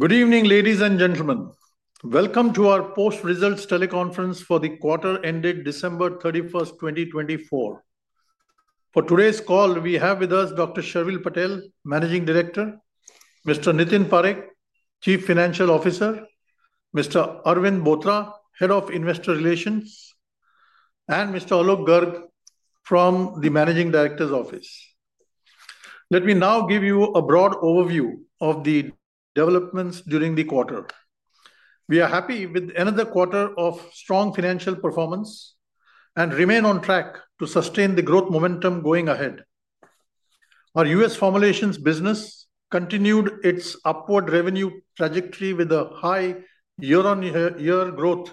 Good evening, ladies and gentlemen. Welcome to our post-results teleconference for the quarter ended December 31, 2024. For today's call, we have with us Dr. Sharvil Patel, Managing Director, Mr. Nitin Parekh, Chief Financial Officer, Mr. Arvind Bothra, Head of Investor Relations, and Mr. Alok Garg from the Managing Director's Office. Let me now give you a broad overview of the developments during the quarter. We are happy with the end of the quarter of strong financial performance and remain on track to sustain the growth momentum going ahead. Our U.S. formulations business continued its upward revenue trajectory with a high year-on-year growth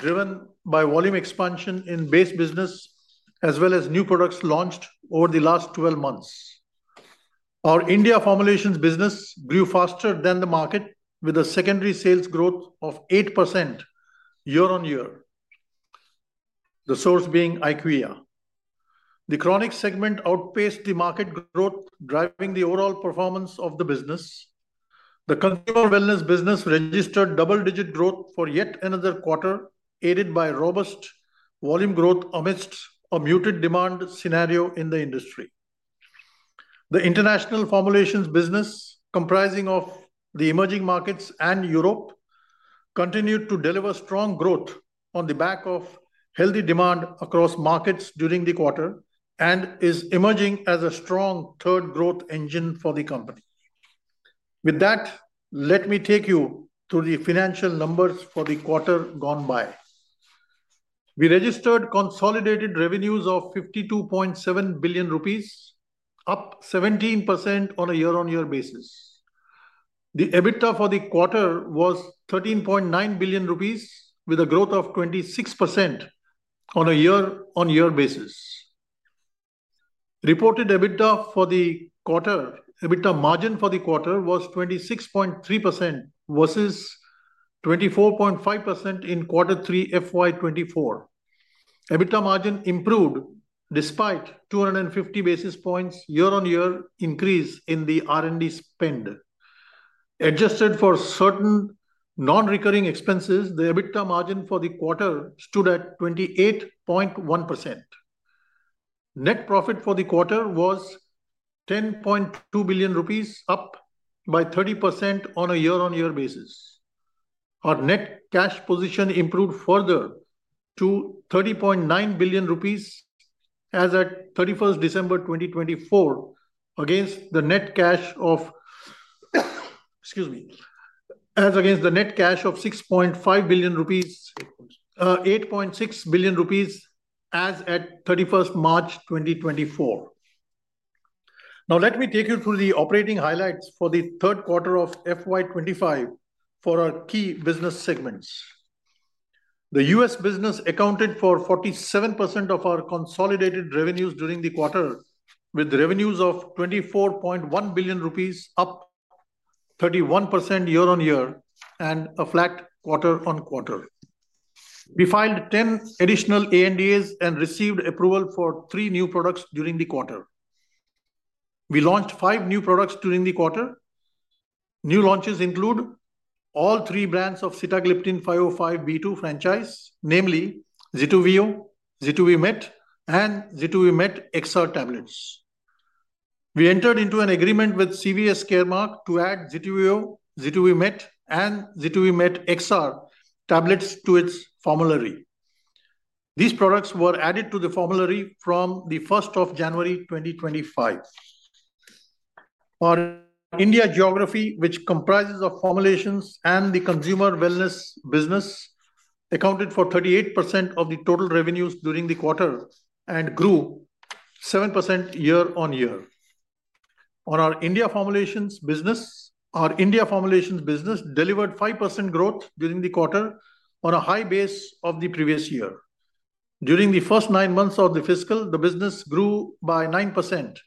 driven by volume expansion in base business, as well as new products launched over the last 12 months. Our India formulations business grew faster than the market, with a secondary sales growth of 8% year-on-year, the source being IQVIA. The chronic segment outpaced the market growth, driving the overall performance of the business. The consumer wellness business registered double-digit growth for yet another quarter, aided by robust volume growth amidst a muted demand scenario in the industry. The international formulations business, comprising of the emerging markets and Europe, continued to deliver strong growth on the back of healthy demand across markets during the quarter and is emerging as a strong third growth engine for the company. With that, let me take you through the financial numbers for the quarter gone by. We registered consolidated revenues of 52.7 billion rupees, up 17% on a year-on-year basis. The EBITDA for the quarter was 13.9 billion rupees, with a growth of 26% on a year-on-year basis. The reported EBITDA margin for the quarter was 26.3% versus 24.5% in Q3 FY24. EBITDA margin improved despite 250 basis points year-on-year increase in the R&D spend. Adjusted for certain non-recurring expenses, the EBITDA margin for the quarter stood at 28.1%. Net profit for the quarter was 10.2 billion rupees, up by 30% on a year-on-year basis. Our net cash position improved further to 30.9 billion rupees as at 31 December 2024, against the net cash of excuse me, as against the net cash of 6.5 billion rupees, 8.6 billion rupees as at 31 March 2024. Now, let me take you through the operating highlights for the Q3 of FY25 for our key business segments. The U.S. business accounted for 47% of our consolidated revenues during the quarter, with revenues of 24.1 billion rupees, up 31% year-on-year and a flat quarter-on-quarter. We filed 10 additional ANDAs and received approval for three new products during the quarter. We launched five new products during the quarter. New launches include all three brands of sitagliptin 505(b)(2) franchise, namely Zituvio, Zituvimet, and Zituvimet XR tablets. We entered into an agreement with CVS Caremark to add Zituvio, Zituvimet, and Zituvimet XR tablets to its formulary. These products were added to the formulary from the 1st of January 2025. Our India geography, which comprises of formulations and the consumer wellness business, accounted for 38% of the total revenues during the quarter and grew 7% year-on-year. On our India formulations business, our India formulations business delivered 5% growth during the quarter on a high base of the previous year. During the first nine months of the fiscal, the business grew by 9%,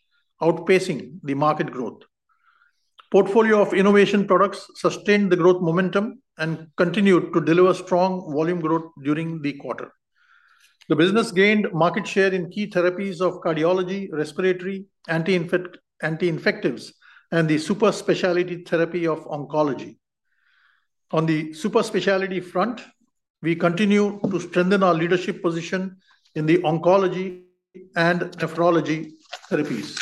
outpacing the market growth. Portfolio of innovation products sustained the growth momentum and continued to deliver strong volume growth during the quarter. The business gained market share in key therapies of cardiology, respiratory, anti-infectives, and the super specialty therapy of oncology. On the super specialty front, we continue to strengthen our leadership position in the oncology and nephrology therapies.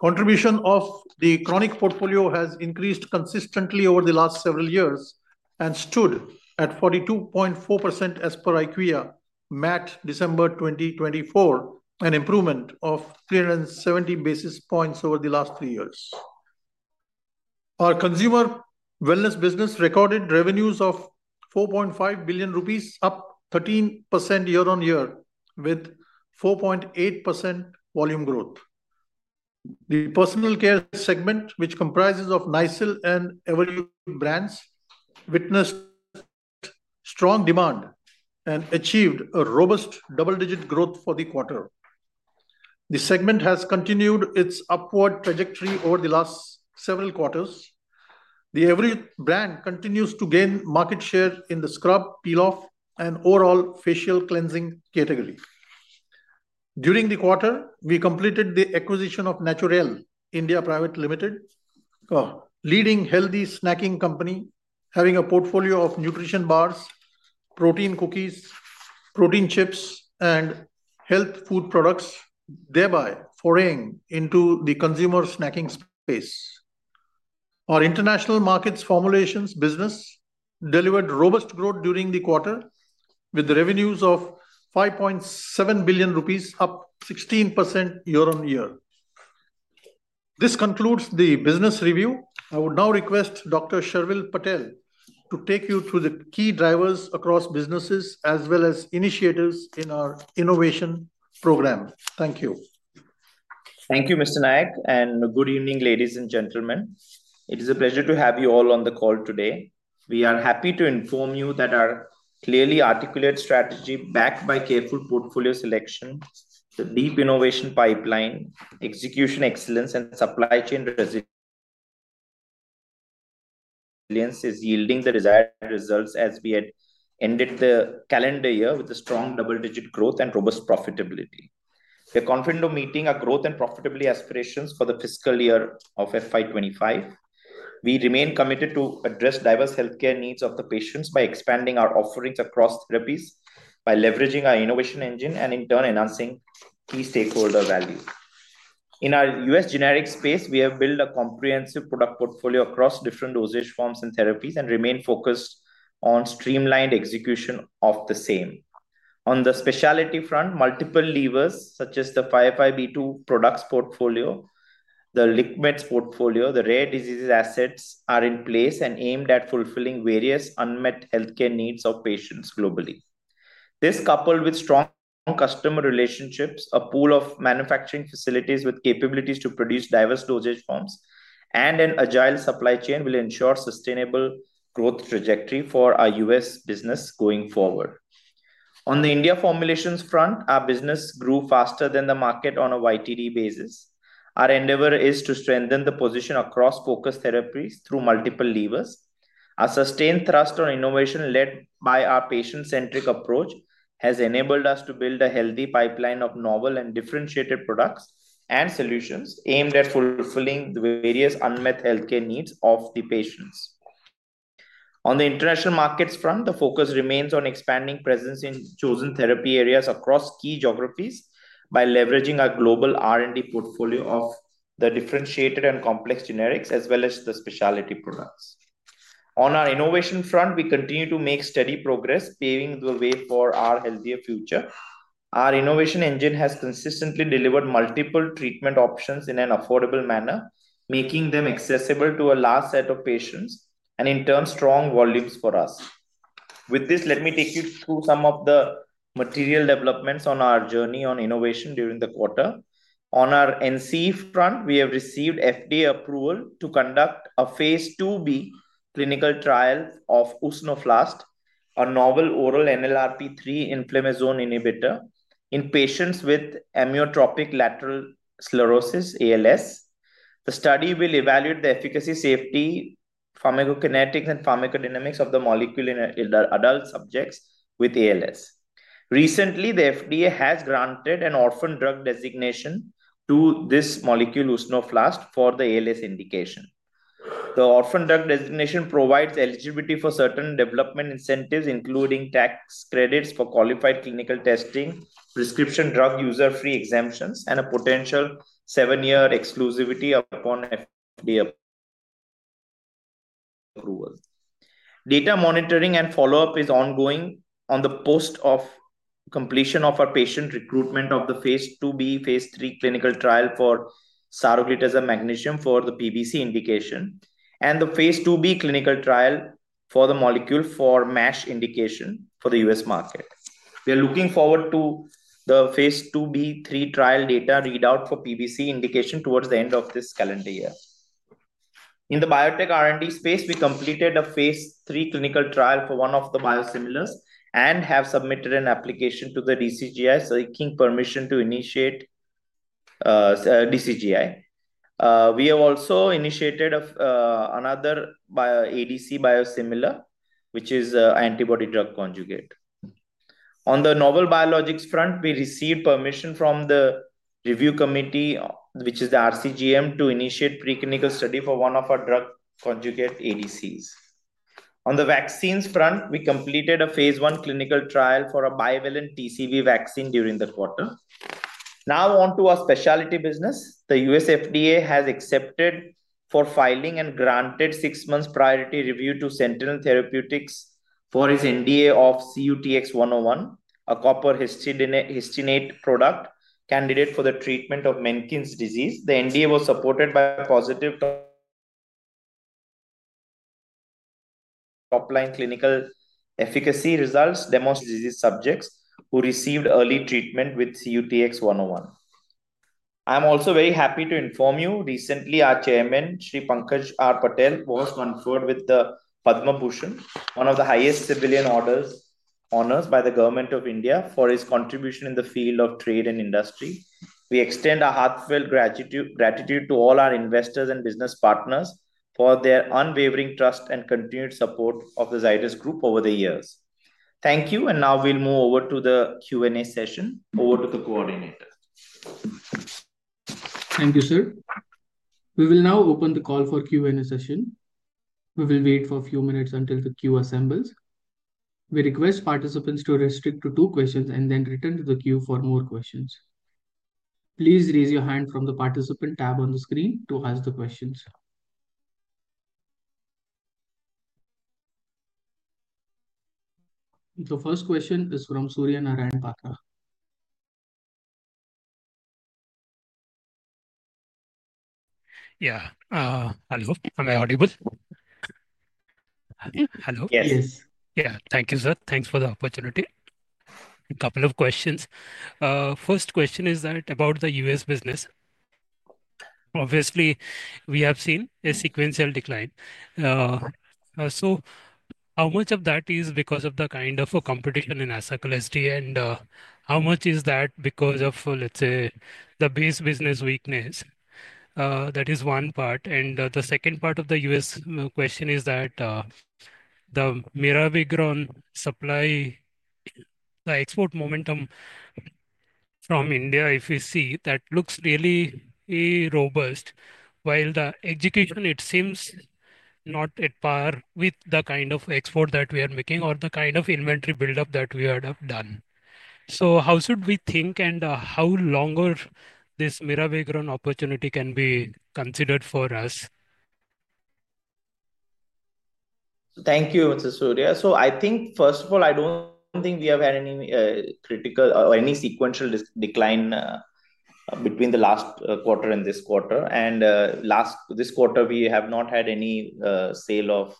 Contribution of the chronic portfolio has increased consistently over the last several years and stood at 42.4% as per IQVIA MAT December 2024, an improvement of 370 basis points over the last three years. Our consumer wellness business recorded revenues of 4.5 billion rupees, up 13% year-on-year, with 4.8% volume growth. The personal care segment, which comprises of Nycil and Everyuth brands, witnessed strong demand and achieved a robust double-digit growth for the quarter. The segment has continued its upward trajectory over the last several quarters. The Everyuth brand continues to gain market share in the scrub, peel-off, and overall facial cleansing category. During the quarter, we completed the acquisition of Naturell India Private Limited, a leading healthy snacking company having a portfolio of nutrition bars, protein cookies, protein chips, and health food products, thereby foraying into the consumer snacking space. Our international markets formulations business delivered robust growth during the quarter, with revenues of 5.7 billion rupees, up 16% year-on-year. This concludes the business review. I would now request Dr. Sharvil Patel to take you through the key drivers across businesses as well as initiatives in our innovation program. Thank you. Thank you, Mr. Nayak, and good evening, ladies and gentlemen. It is a pleasure to have you all on the call today. We are happy to inform you that our clearly articulated strategy, backed by careful portfolio selection, the deep innovation pipeline, execution excellence, and supply chain resilience is yielding the desired results as we had ended the calendar year with a strong double-digit growth and robust profitability. We are confident of meeting our growth and profitability aspirations for the fiscal year of FY25. We remain committed to address diverse healthcare needs of the patients by expanding our offerings across therapies, by leveraging our innovation engine, and in turn, enhancing key stakeholder value. In our U.S. generic space, we have built a comprehensive product portfolio across different dosage forms and therapies and remain focused on streamlined execution of the same. On the specialty front, multiple levers such as the 505(b)(2) products portfolio, the liquids portfolio, the rare diseases assets are in place and aimed at fulfilling various unmet healthcare needs of patients globally. This, coupled with strong customer relationships, a pool of manufacturing facilities with capabilities to produce diverse dosage forms, and an agile supply chain, will ensure sustainable growth trajectory for our U.S. business going forward. On the India formulations front, our business grew faster than the market on a YTD basis. Our endeavor is to strengthen the position across focus therapies through multiple levers. Our sustained thrust on innovation led by our patient-centric approach has enabled us to build a healthy pipeline of novel and differentiated products and solutions aimed at fulfilling the various unmet healthcare needs of the patients. On the international markets front, the focus remains on expanding presence in chosen therapy areas across key geographies by leveraging our global R&D portfolio of the differentiated and complex generics as well as the specialty products. On our innovation front, we continue to make steady progress, paving the way for our healthier future. Our innovation engine has consistently delivered multiple treatment options in an affordable manner, making them accessible to a large set of patients and, in turn, strong volumes for us. With this, let me take you through some of the material developments on our journey on innovation during the quarter. On our NCE front, we have received FDA approval to conduct a Phase 2B clinical trial of usnoflast, a novel oral NLRP3 inflammasome inhibitor in patients with amyotrophic lateral sclerosis, ALS. The study will evaluate the efficacy, safety, pharmacokinetics, and pharmacodynamics of the molecule in adult subjects with ALS. Recently, the FDA has granted an orphan drug designation to this molecule, usnoflast, for the ALS indication. The orphan drug designation provides eligibility for certain development incentives, including tax credits for qualified clinical testing, prescription drug user fee exemptions, and a potential seven-year exclusivity upon FDA approval. Data monitoring and follow-up is ongoing post completion of our patient recruitment of the Phase 2B, Phase 3 clinical trial for saroglitazar magnesium for the PBC indication and the Phase 2B clinical trial for the molecule for MASH indication for the U.S. market. We are looking forward to the Phase 2B, 3 trial data readout for PBC indication towards the end of this calendar year. In the biotech R&D space, we completed a Phase 3 clinical trial for one of the biosimilars and have submitted an application to the DCGI, seeking permission to initiate DCGI. We have also initiated another ADC biosimilar, which is an antibody drug conjugate. On the novel biologics front, we received permission from the review committee, which is the RCGM, to initiate preclinical study for one of our drug conjugate ADCs. On the vaccines front, we completed a Phase 1 clinical trial for a bivalent TCV vaccine during the quarter. Now, on to our specialty business. The U.S. FDA has accepted for filing and granted six months priority review to Sentynl Therapeutics for its NDA of CUTX-101, a copper histidinate product candidate for the treatment of Menkes disease. The NDA was supported by positive top-line clinical efficacy results demonstrated in disease subjects who received early treatment with CUTX-101. I'm also very happy to inform you recently our chairman, Shri Pankaj R. Patel, was conferred with the Padma Bhushan, one of the highest civilian orders honored by the government of India for his contribution in the field of trade and industry. We extend our heartfelt gratitude to all our investors and business partners for their unwavering trust and continued support of the Zydus Group over the years. Thank you, and now we'll move over to the Q&A session. Over to the coordinator. Thank you, sir. We will now open the call for Q&A session. We will wait for a few minutes until the queue assembles. We request participants to restrict to two questions and then return to the queue for more questions. Please raise your hand from the participant tab on the screen to ask the questions. The first question is from Suryanarayan Patel. Yeah. Hello. Am I audible? Hello. Yes. Yeah. Thank you, sir. Thanks for the opportunity. A couple of questions. First question is that about the U.S. business. Obviously, we have seen a sequential decline. So how much of that is because of the kind of competition in Asacol HD, and how much is that because of, let's say, the base business weakness? That is one part. And the second part of the U.S. question is that the mirabegron supply, the export momentum from India, if you see, that looks really robust, while the execution, it seems, not at par with the kind of export that we are making or the kind of inventory buildup that we had done. So how should we think, and how longer this mirabegron opportunity can be considered for us? Thank you, Mr. Surya. So I think, first of all, I don't think we have had any critical or any sequential decline between the last quarter and this quarter. And this quarter, we have not had any sale of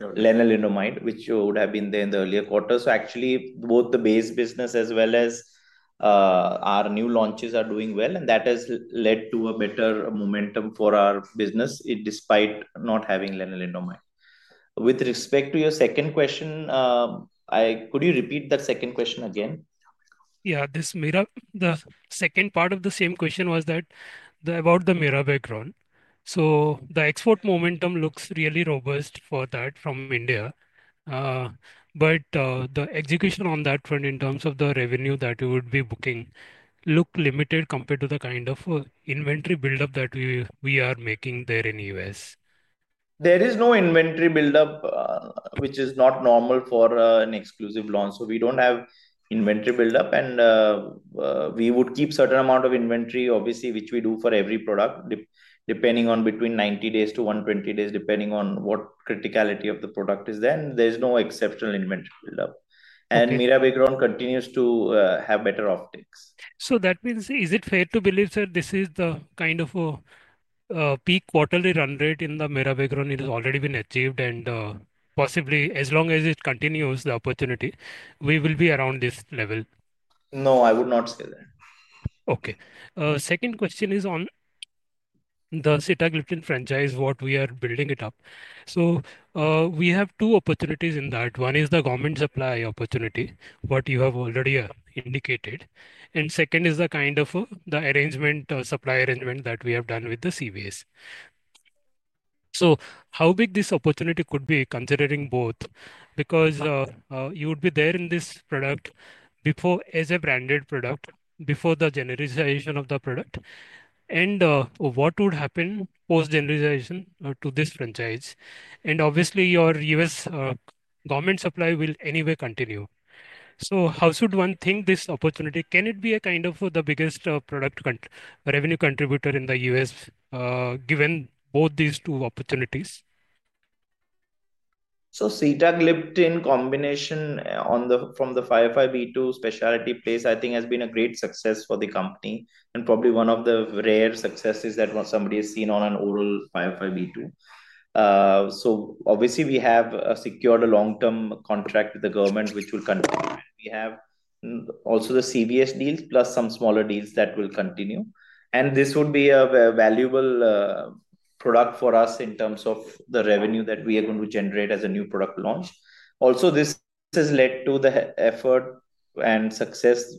lenalidomide, which would have been there in the earlier quarter. So actually, both the base business as well as our new launches are doing well, and that has led to a better momentum for our business despite not having lenalidomide. With respect to your second question, could you repeat that second question again? Yeah. The second part of the same question was about the mirabegron. So the export momentum looks really robust for that from India. But the execution on that front in terms of the revenue that we would be booking looks limited compared to the kind of inventory buildup that we are making there in the U.S. There is no inventory buildup, which is not normal for an exclusive launch. So we don't have inventory buildup, and we would keep a certain amount of inventory, obviously, which we do for every product, depending on between 90 days to 120 days, depending on what criticality of the product is there. And there's no exceptional inventory buildup. And mirabegron continues to have better optics. That means, is it fair to believe, sir, this is the kind of peak quarterly run rate in the mirabegron? It has already been achieved, and possibly, as long as it continues, the opportunity, we will be around this level. No, I would not say that. Okay. Second question is on the sitagliptin franchise, what we are building it up. So we have two opportunities in that. One is the government supply opportunity, what you have already indicated. And second is the kind of supply arrangement that we have done with the CVS. So how big this opportunity could be considering both? Because you would be there in this product as a branded product before the genericization of the product. And what would happen post-genericization to this franchise? And obviously, your U.S. government supply will anyway continue. So how should one think this opportunity? Can it be a kind of the biggest revenue contributor in the U.S. given both these two opportunities? sitagliptin combination from the 505(b)(2) specialty space, I think, has been a great success for the company and probably one of the rare successes that somebody has seen on an oral 505(b)(2). Obviously, we have secured a long-term contract with the government, which will continue. We have also the CVS deals plus some smaller deals that will continue. This would be a valuable product for us in terms of the revenue that we are going to generate as a new product launch. This has led to the effort and success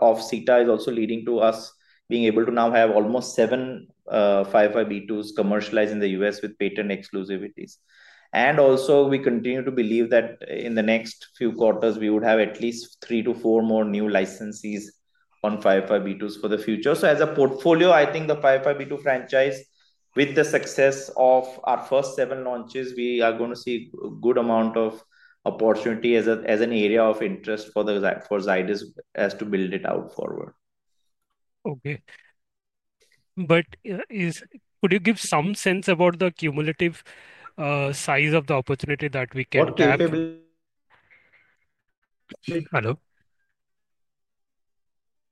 of Sita is also leading to us being able to now have almost seven 505(b)(2)s commercialized in the U.S. with patent exclusivities. We continue to believe that in the next few quarters, we would have at least three to four more new licenses on 505(b)(2)s for the future. So as a portfolio, I think the 505(b)(2) franchise, with the success of our first seven launches, we are going to see a good amount of opportunity as an area of interest for Zydus as to build it out forward. Okay, but could you give some sense about the cumulative size of the opportunity that we can have? What capability? Hello?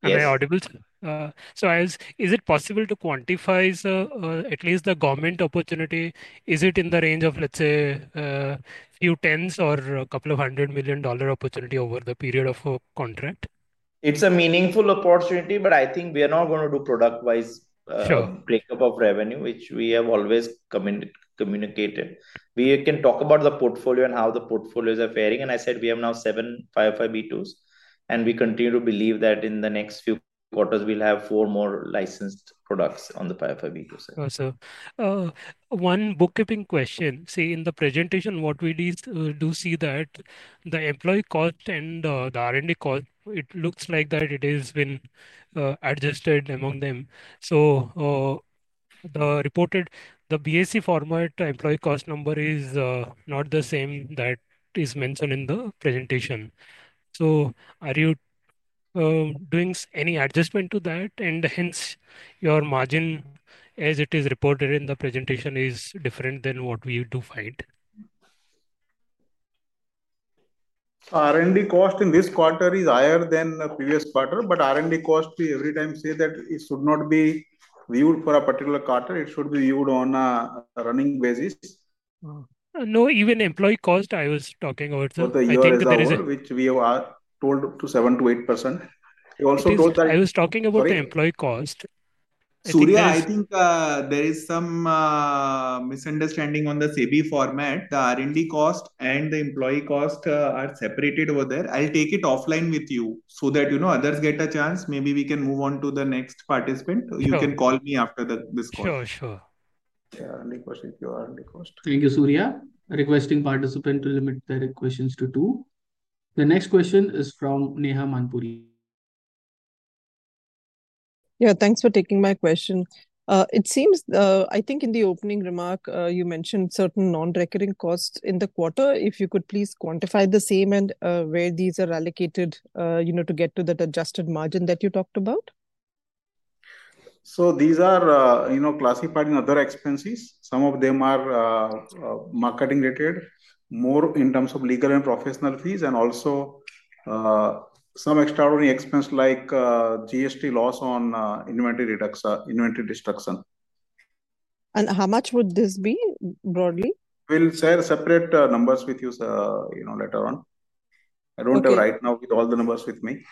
Am I audible? So is it possible to quantify at least the government opportunity? Is it in the range of, let's say, a few tens or a couple of hundred million dollar opportunity over the period of a contract? It's a meaningful opportunity, but I think we are not going to do product-wise breakup of revenue, which we have always communicated. We can talk about the portfolio and how the portfolios are faring. And I said we have now seven 505(b)(2)s, and we continue to believe that in the next few quarters, we'll have four more licensed products on the 505(b)(2) side. One bookkeeping question. See, in the presentation, what we do see that the employee cost and the R&D cost, it looks like that it has been adjusted among them. So the reported BAC format employee cost number is not the same that is mentioned in the presentation. So are you doing any adjustment to that? And hence, your margin, as it is reported in the presentation, is different than what we do find. R&D cost in this quarter is higher than the previous quarter, but R&D cost, we every time say that it should not be viewed for a particular quarter. It should be viewed on a running basis. No, even employee cost, I was talking about. For the year-on-year report, which we are told to 7%-8%. I was talking about the employee cost. Surya, I think there is some misunderstanding on the CB format. The R&D cost and the employee cost are separated over there. I'll take it offline with you so that others get a chance. Maybe we can move on to the next participant. You can call me after this call. Sure, sure. Yeah, 100% pure R&D cost. Thank you, Suryanarayan. Requesting participant to limit their questions to two. The next question is from Neha Manpuria. Yeah, thanks for taking my question. It seems, I think in the opening remark, you mentioned certain non-recurring costs in the quarter. If you could please quantify the same and where these are allocated to get to that adjusted margin that you talked about? So these are classified in other expenses. Some of them are marketing-related, more in terms of legal and professional fees, and also some extraordinary expense like GST loss on inventory destruction. How much would this be broadly? We'll share separate numbers with you later on. I don't have right now all the numbers with me.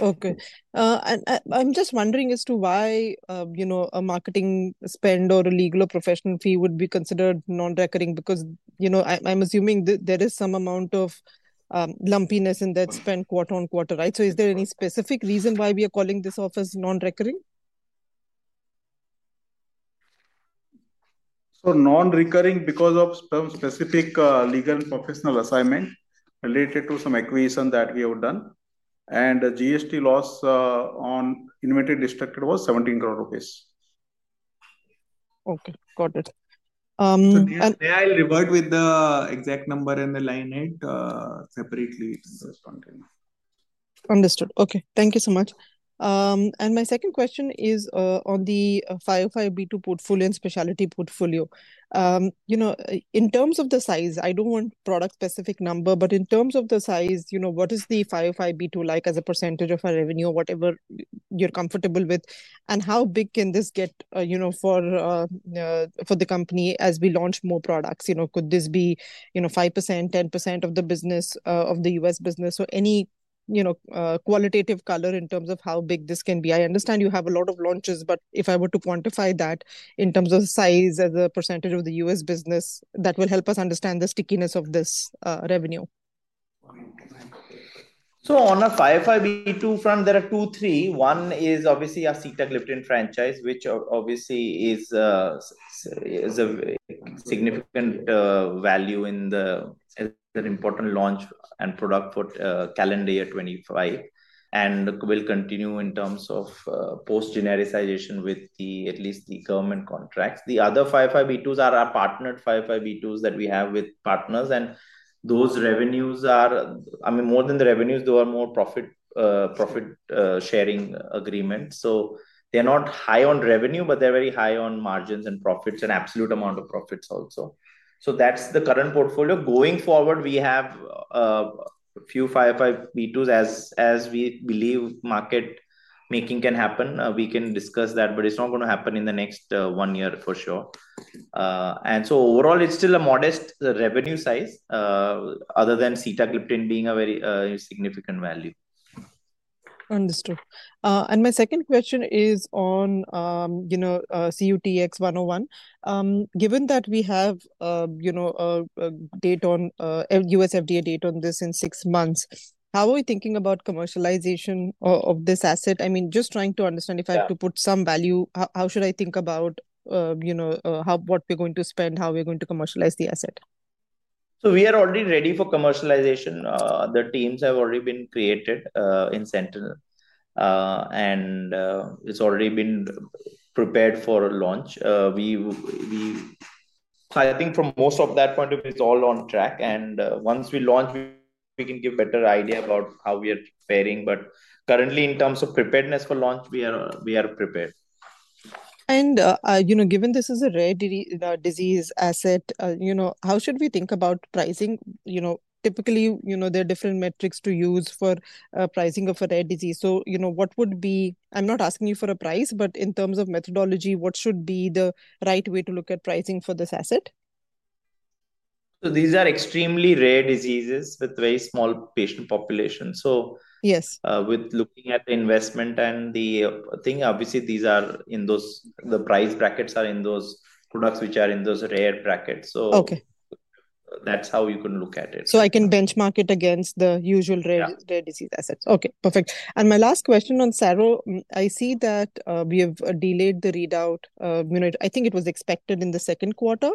Okay, and I'm just wondering as to why a marketing spend or a legal or professional fee would be considered non-recurring because I'm assuming there is some amount of lumpiness in that spend quarter-on-quarter, right, so is there any specific reason why we are calling this off as non-recurring? Non-recurring because of some specific legal and professional assignment related to some acquisition that we have done. The GST loss on inventory destruction was 17 crore rupees. Okay. Got it. May I revert with the exact number and the line height separately? Understood. Okay. Thank you so much. And my second question is on the 505(b)(2) portfolio and specialty portfolio. In terms of the size, I don't want product-specific number, but in terms of the size, what is the 505(b)(2) like as a percentage of our revenue, whatever you're comfortable with? And how big can this get for the company as we launch more products? Could this be 5%, 10% of the business, of the U.S. business? So any qualitative color in terms of how big this can be? I understand you have a lot of launches, but if I were to quantify that in terms of size as a percentage of the U.S. business, that will help us understand the stickiness of this revenue. On a 505(b)(2) front, there are two, three. One is obviously our sitagliptin franchise, which obviously is a significant value in the important launch and product for calendar year 2025 and will continue in terms of post-commercialization with at least the government contracts. The other 505(b)(2)s are our partnered 505(b)(2)s that we have with partners. And those revenues are, I mean, more than the revenues, though, are more profit-sharing agreements. So they're not high on revenue, but they're very high on margins and profits and absolute amount of profits also. So that's the current portfolio. Going forward, we have a few 505(b)(2)s as we believe market-making can happen. We can discuss that, but it's not going to happen in the next one year for sure. Overall, it's still a modest revenue size other than sitagliptin being a very significant value. Understood. And my second question is on CUTX-101. Given that we have a U.S. FDA date on this in six months, how are we thinking about commercialization of this asset? I mean, just trying to understand if I have to put some value, how should I think about what we're going to spend, how we're going to commercialize the asset? So we are already ready for commercialization. The teams have already been created in Sentynl, and it's already been prepared for launch. I think from most of that point of view, it's all on track. And once we launch, we can give a better idea about how we are preparing. But currently, in terms of preparedness for launch, we are prepared. And given this is a rare disease asset, how should we think about pricing? Typically, there are different metrics to use for pricing of a rare disease. So what would be, I'm not asking you for a price, but in terms of methodology, what should be the right way to look at pricing for this asset? These are extremely rare diseases with very small patient populations. With looking at the investment and the thing, obviously, these are in those, the price brackets are in those rare brackets. That's how you can look at it. So I can benchmark it against the usual rare disease assets. Okay. Perfect. And my last question on Saro, I see that we have delayed the readout. I think it was expected in the Q2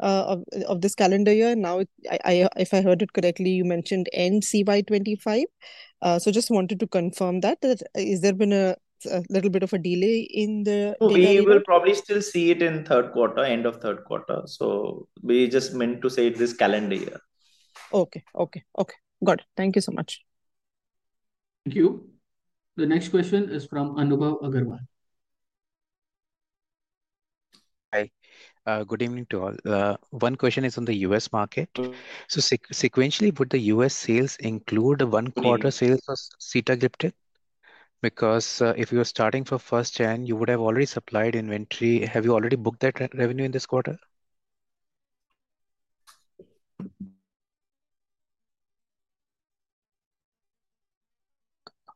of this calendar year. Now, if I heard it correctly, you mentioned end CY25. So just wanted to confirm that. Has there been a little bit of a delay in the? We will probably still see it in Q3, end of Q3. So we just meant to say this calendar year. Okay. Okay. Okay. Got it. Thank you so much. Thank you. The next question is from Anubhav Agarwal. Hi. Good evening to all. One question is on the U.S. market. So sequentially, would the U.S. sales include the one-quarter sales of sitagliptin? Because if you were starting for first-gen, you would have already supplied inventory. Have you already booked that revenue in this quarter?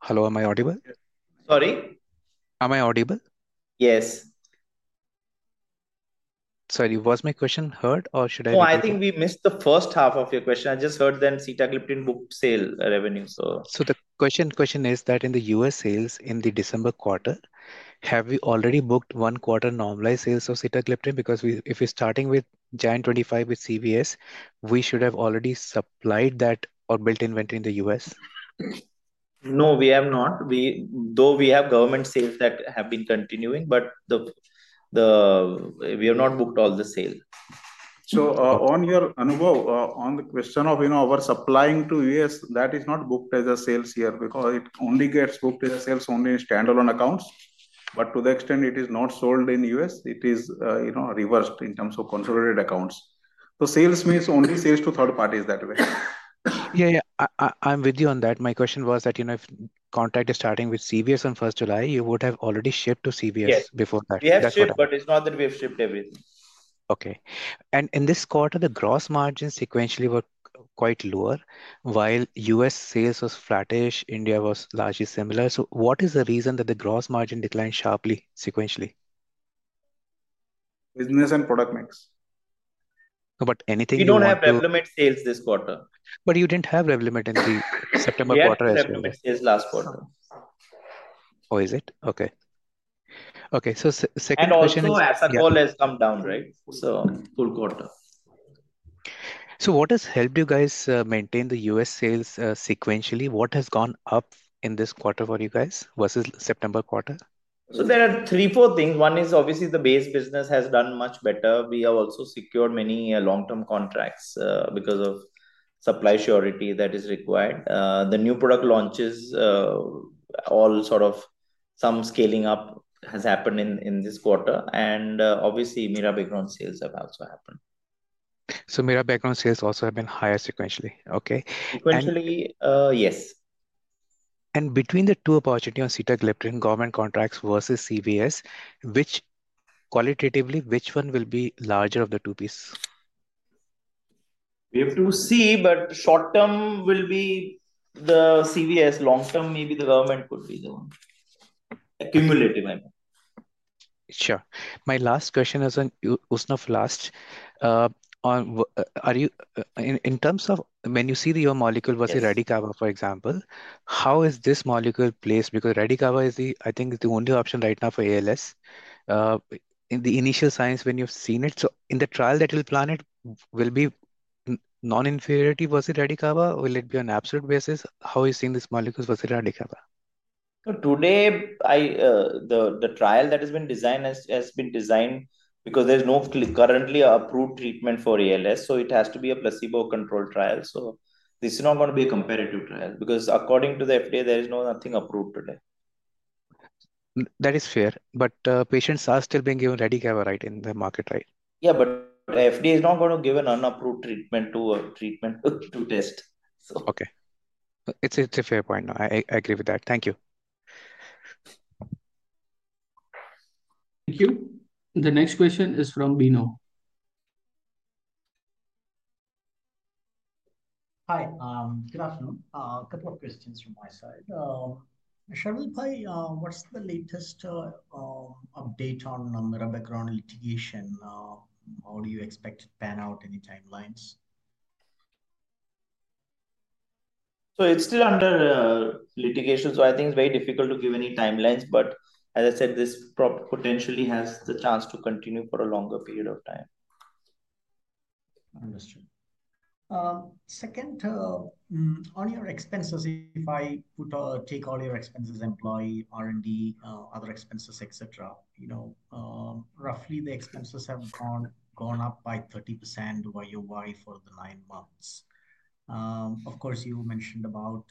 Hello. Am I audible? Sorry? Am I audible? Yes. Sorry. Was my question heard, or should I? No, I think we missed the first half of your question. I just heard the sitagliptin booked sales revenue, so. The question is that in the U.S. sales in the December quarter, have we already booked one-quarter normalized sales of sitagliptin? Because if we're starting with January 2025 with CVS, we should have already supplied that or built inventory in the U.S. No, we have not. Though we have government sales that have been continuing, but we have not booked all the sales. So Anubhav, on the question of our supplying to U.S., that is not booked as a sales year because it only gets booked as a sales only in standalone accounts. But to the extent it is not sold in U.S., it is reversed in terms of consolidated accounts. So sales means only sales to third parties that way. Yeah, yeah. I'm with you on that. My question was that if contract is starting with CVS on 1st July 2025, you would have already shipped to CVS before that. Yes, we have shipped, but it's not that we have shipped everything. Okay, and in this quarter, the gross margin sequentially were quite lower, while U.S. sales was flattish, India was largely similar, so what is the reason that the gross margin declined sharply sequentially? Business and product mix. But anything? We don't have revenue or sales this quarter. But you didn't have revenue at September quarter as well? We didn't have revenue or sales last quarter. Oh, is it? Okay. Okay. So second question is. Also ASACOL has come down, right? So full quarter. So what has helped you guys maintain the U.S. sales sequentially? What has gone up in this quarter for you guys versus September quarter? So there are three or four things. One is obviously the base business has done much better. We have also secured many long-term contracts because of supply surety that is required. The new product launches, all sorts of some scaling up has happened in this quarter. And obviously, mirabegron sales have also happened. So mirabegron sales also have been higher sequentially. Okay. Sequentially, yes. Between the two opportunities on sitagliptin government contracts versus CVS, qualitatively, which one will be larger of the two pieces? We have to see, but short-term will be the CVS. Long-term, maybe the government could be the one. Cumulative, I mean. Sure. My last question is on Zydus Lifesciences. In terms of when you see the usnoflast molecule versus Radicava, for example, how is this molecule placed? Because Radicava is the, I think, the only option right now for ALS. In the initial science, when you've seen it, so in the trial that you'll plan, it will be non-inferiority versus Radicava? Will it be on absolute basis? How are you seeing these molecules versus Radicava? So today, the trial that has been designed has been designed because there's no currently approved treatment for ALS. So it has to be a placebo-controlled trial. So this is not going to be a comparative trial because according to the FDA, there is nothing approved today. That is fair. But patients are still being given Radicava, right, in the market, right? Yeah, but FDA is not going to give an unapproved treatment to test. Okay. It's a fair point. I agree with that. Thank you. Thank you. The next question is from Bino. Hi. Good afternoon. A couple of questions from my side. Sharvil Patel, what's the latest update on mirabegron litigation? How do you expect it to pan out? Any timelines? So it's still under litigation. So I think it's very difficult to give any timelines. But as I said, this potentially has the chance to continue for a longer period of time. Understood. Second, on your expenses, if I take all your expenses, employee, R&D, other expenses, et cetera, roughly the expenses have gone up by 30% YOY for the nine months. Of course, you mentioned about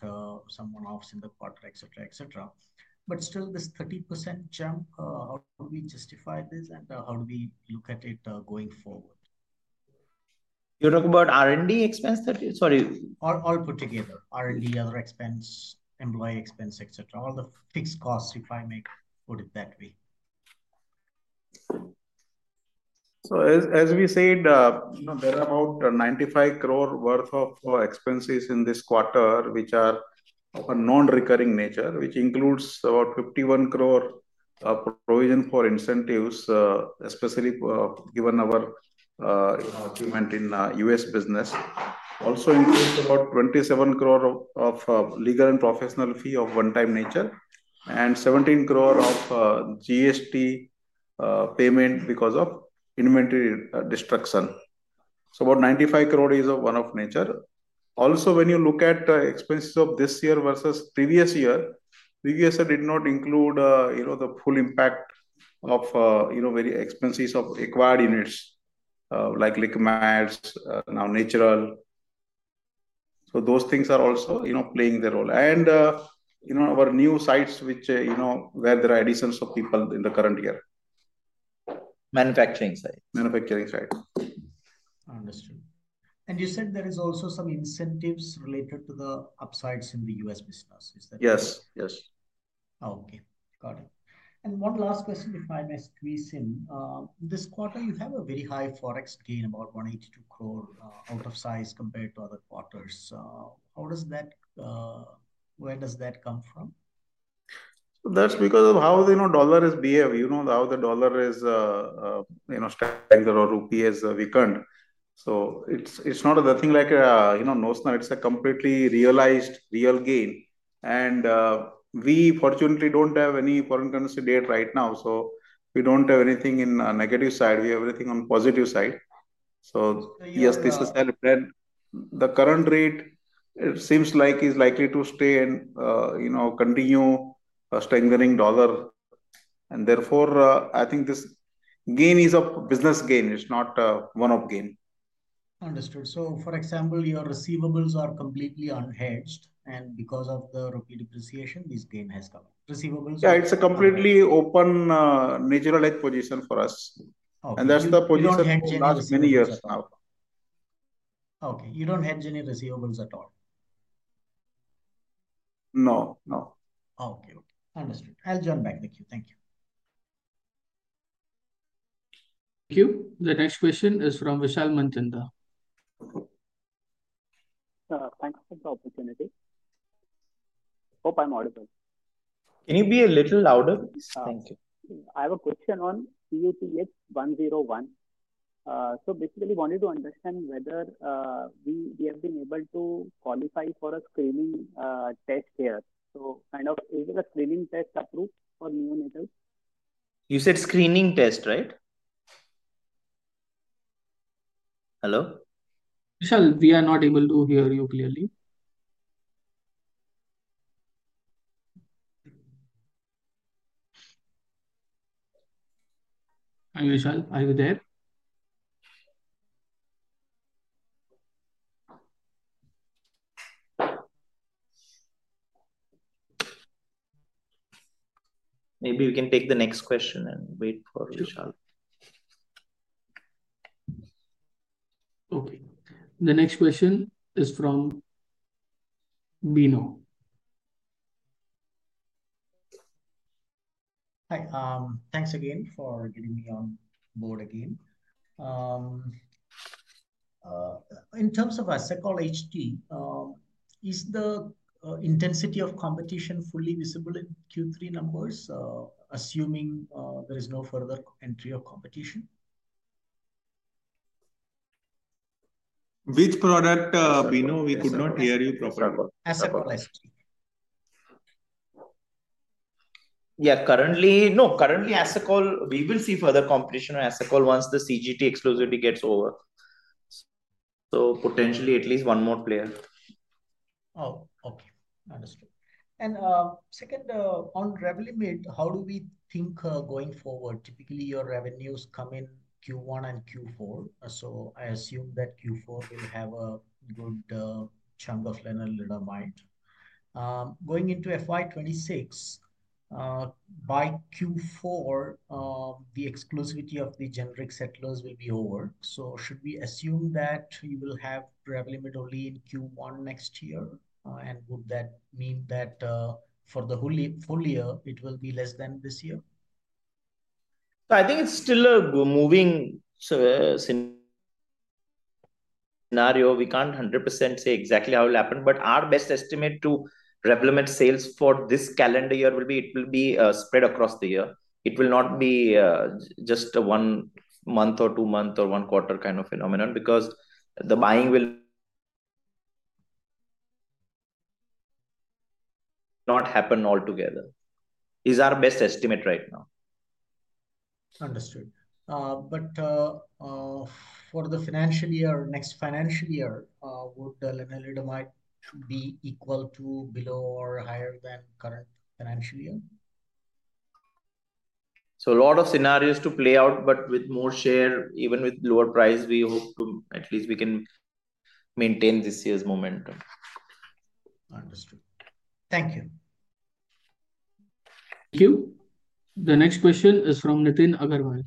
some one-offs in the quarter, et cetera, et cetera. But still, this 30% jump, how do we justify this? And how do we look at it going forward? You're talking about R&D expense? Sorry. All put together. R&D, other expense, employee expense, et cetera, all the fixed costs, if I may put it that way. So as we said, there are about 95 crore worth of expenses in this quarter, which are of a non-recurring nature, which includes about 51 crore provision for incentives, especially given our achievement in U.S. business. Also includes about 27 crore of legal and professional fee of one-time nature and 17 crore of GST payment because of inventory destruction. So about 95 crore is of one-off nature. Also, when you look at expenses of this year versus previous year, previous year did not include the full impact of various expenses of acquired units like LiqMeds, Naturell. So those things are also playing their role. And our new sites, where there are additions of people in the current year. Manufacturing sites. Manufacturing sites. Understood. And you said there is also some incentives related to the upsides in the U.S. business. Is that? Yes. Yes. Okay. Got it. And one last question, if I may squeeze in. This quarter, you have a very high forex gain, about 182 crore outsize compared to other quarters. How does that? Where does that come from? That's because of how the dollar has behaved. You know how the dollar is strengthened or rupee has weakened. So it's not a thing like a one-off. It's a completely realized real gain. And we fortunately don't have any foreign currency debt right now. So we don't have anything in a negative side. We have everything on positive side. So yes, this is the current rate. It seems like it's likely to stay and continue strengthening dollar. And therefore, I think this gain is a business gain. It's not a one-off gain. Understood. So for example, your receivables are completely unhedged. And because of the rupee depreciation, this gain has come. Receivables? Yeah. It's a completely open natural-like position for us, and that's the position for many years now. Okay. You don't hedge any receivables at all? No. No. Okay. Understood. I'll jump back to you. Thank you. Thank you. The next question is from Vishal Manchanda. Thanks for the opportunity. Hope I'm audible. Can you be a little louder? Thank you. I have a question on CUTX-101. So basically, I wanted to understand whether we have been able to qualify for a screening test here. So kind of is it a screening test approved for neonates? You said screening test, right? Hello? Vishal, we are not able to hear you clearly. Hi, Vishal. Are you there? Maybe we can take the next question and wait for Vishal. Okay. The next question is from Bino. Hi. Thanks again for getting me on board again. In terms of ASACOL HD, is the intensity of competition fully visible in Q3 numbers, assuming there is no further entry of competition? With product, Bino, we could not hear you properly. ASACOL HD. Yeah. Currently, no. Currently, ASACOL HD, we will see further competition on ASACOL HD once the CGT exclusivity gets over. So potentially, at least one more player. Oh, okay. Understood. And second, on Revlimid, how do we think going forward? Typically, your revenues come in Q1 and Q4. So I assume that Q4 will have a good chunk of lenalidomide. Going into FY26, by Q4, the exclusivity of the generic settlers will be over. So should we assume that you will have Revlimid only in Q1 next year? And would that mean that for the whole year, it will be less than this year? So I think it's still a moving scenario. We can't 100% say exactly how it will happen. But our best estimate to Revlimid sales for this calendar year will be it will be spread across the year. It will not be just a one-month or two-month or one-quarter kind of phenomenon because the buying will not happen altogether. These are best estimates right now. Understood. But for the financial year, next financial year, would lenalidomide be equal to below or higher than current financial year? So a lot of scenarios to play out, but with more share, even with lower price, we hope at least we can maintain this year's momentum. Understood. Thank you. Thank you. The next question is from Nitin Agarwal.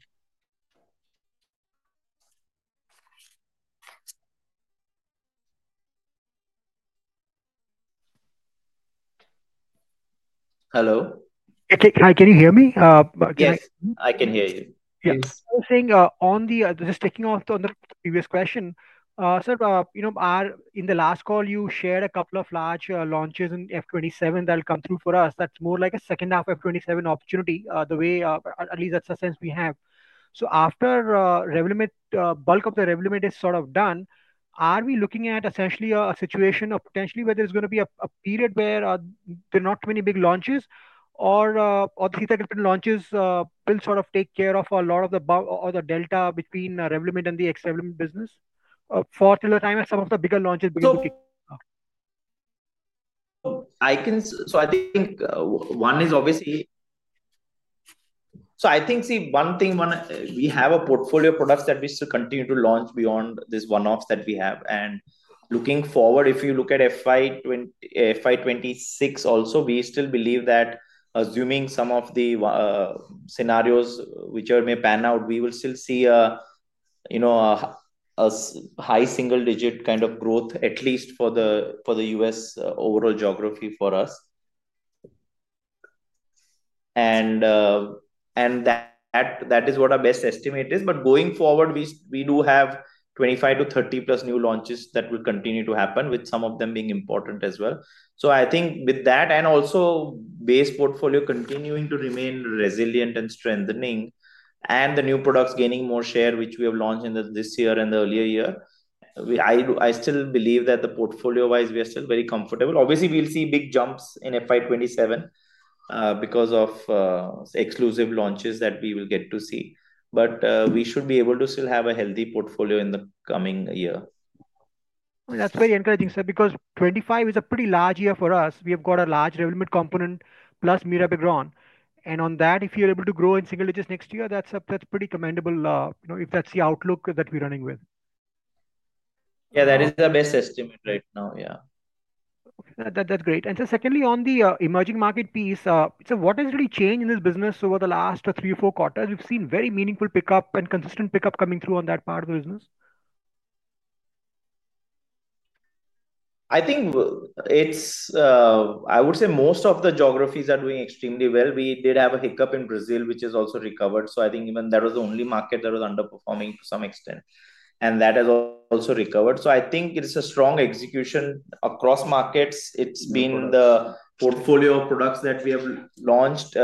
Hello? Hi. Can you hear me? I can hear you. Yes. I was saying, just taking off the previous question, sir, in the last call, you shared a couple of large launches in FY27 that will come through for us. That's more like a second-half FY27 opportunity, the way at least that's the sense we have. So after bulk of the Revlimid is sort of done, are we looking at essentially a situation of potentially where there's going to be a period where there are not too many big launches or the different launches will sort of take care of a lot of the delta between Revlimid and the ex-Revlimid business? For the time as some of the bigger launches begin to kick off. So I think one is obviously, see, one thing, we have a portfolio of products that we still continue to launch beyond this one-offs that we have. And looking forward, if you look at FY26 also, we still believe that assuming some of the scenarios whichever may pan out, we will still see a high single-digit kind of growth, at least for the U.S. overall geography for us. And that is what our best estimate is. But going forward, we do have 25 to 30+ new launches that will continue to happen, with some of them being important as well. So I think with that and also base portfolio continuing to remain resilient and strengthening and the new products gaining more share, which we have launched this year and the earlier year, I still believe that the portfolio-wise, we are still very comfortable. Obviously, we'll see big jumps in FY27 because of exclusive launches that we will get to see. But we should be able to still have a healthy portfolio in the coming year. That's very encouraging, sir, because 2025 is a pretty large year for us. We have got a large Revlimid component plus mirabegron. And on that, if you're able to grow in single digits next year, that's a pretty commendable if that's the outlook that we're running with. Yeah. That is the best estimate right now. Yeah. Okay. That's great, and so secondly, on the emerging market piece, so what has really changed in this business over the last three or four quarters? We've seen very meaningful pickup and consistent pickup coming through on that part of the business. I think it's. I would say most of the geographies are doing extremely well. We did have a hiccup in Brazil, which has also recovered. So I think even that was the only market that was underperforming to some extent, and that has also recovered. So I think it's a strong execution across markets. It's been the portfolio of products that we have launched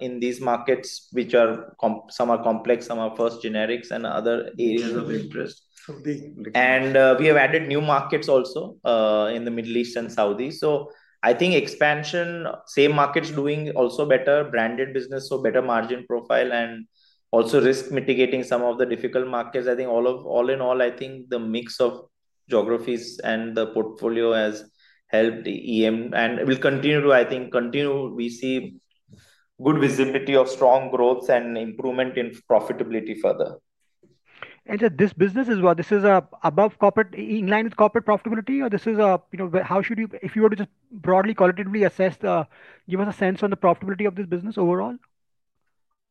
in these markets, which are some complex, some are first generics, and other areas of interest, and we have added new markets also in the Middle East and Saudi, so I think expansion, same markets doing also better branded business, so better margin profile and also risk mitigating some of the difficult markets. I think all in all, I think the mix of geographies and the portfolio has helped EM and will continue to. I think we see good visibility of strong growth and improvement in profitability further. And this business as well, this is above corporate, in line with corporate profitability, or this is a how should you if you were to just broadly qualitatively assess, give us a sense on the profitability of this business overall?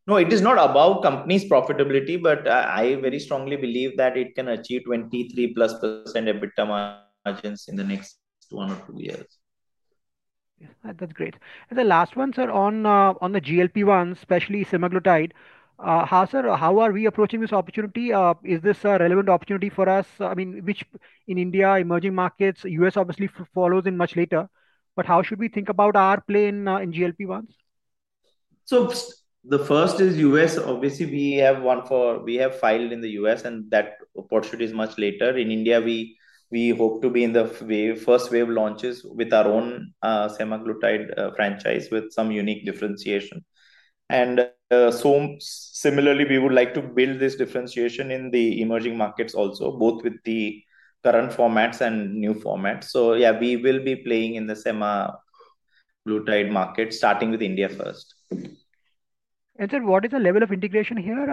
No, it is not about companies' profitability, but I very strongly believe that it can achieve 23+% EBITDA margins in the next one or two years. That's great. And the last one, sir, on the GLP-1, especially semaglutide, how, sir, how are we approaching this opportunity? Is this a relevant opportunity for us? I mean, which in India, emerging markets, U.S. obviously follows in much later. But how should we think about our play in GLP-1s? So the first is U.S. Obviously, we have one for we have filed in the U.S., and that opportunity is much later. In India, we hope to be in the first wave launches with our own semaglutide franchise with some unique differentiation. And similarly, we would like to build this differentiation in the emerging markets also, both with the current formats and new formats. So yeah, we will be playing in the semaglutide market, starting with India first. Sir, what is the level of integration here?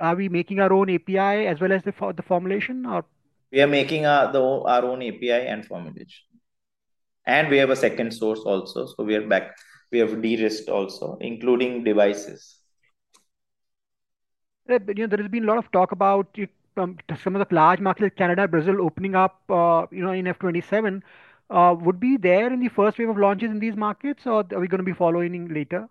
Are we making our own API as well as the formulation or? We are making our own API and formulation, and we have a second source also, so we are back. We have de-risked also, including devices. There has been a lot of talk about some of the large markets, Canada, Brazil opening up in FY27. Would be there in the first wave of launches in these markets, or are we going to be following later?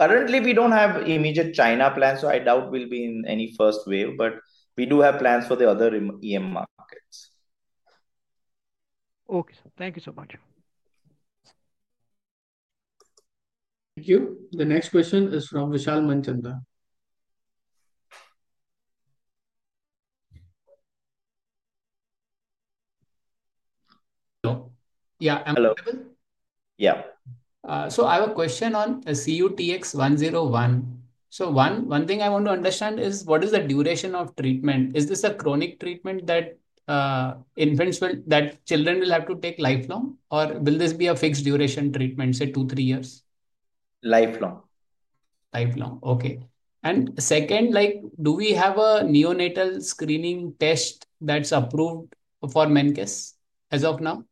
Currently, we don't have immediate China plans, so I doubt we'll be in any first wave, but we do have plans for the other EM markets. Okay. Thank you so much. Thank you. The next question is from Vishal Manchanda. Hello. Am I audible? Yeah. So I have a question on CUTX-101. So one thing I want to understand is what is the duration of treatment? Is this a chronic treatment that children will have to take lifelong, or will this be a fixed duration treatment, say, two, three years? Lifelong. Lifelong. Okay. And second, do we have a neonatal screening test that's approved for Menkes as of now?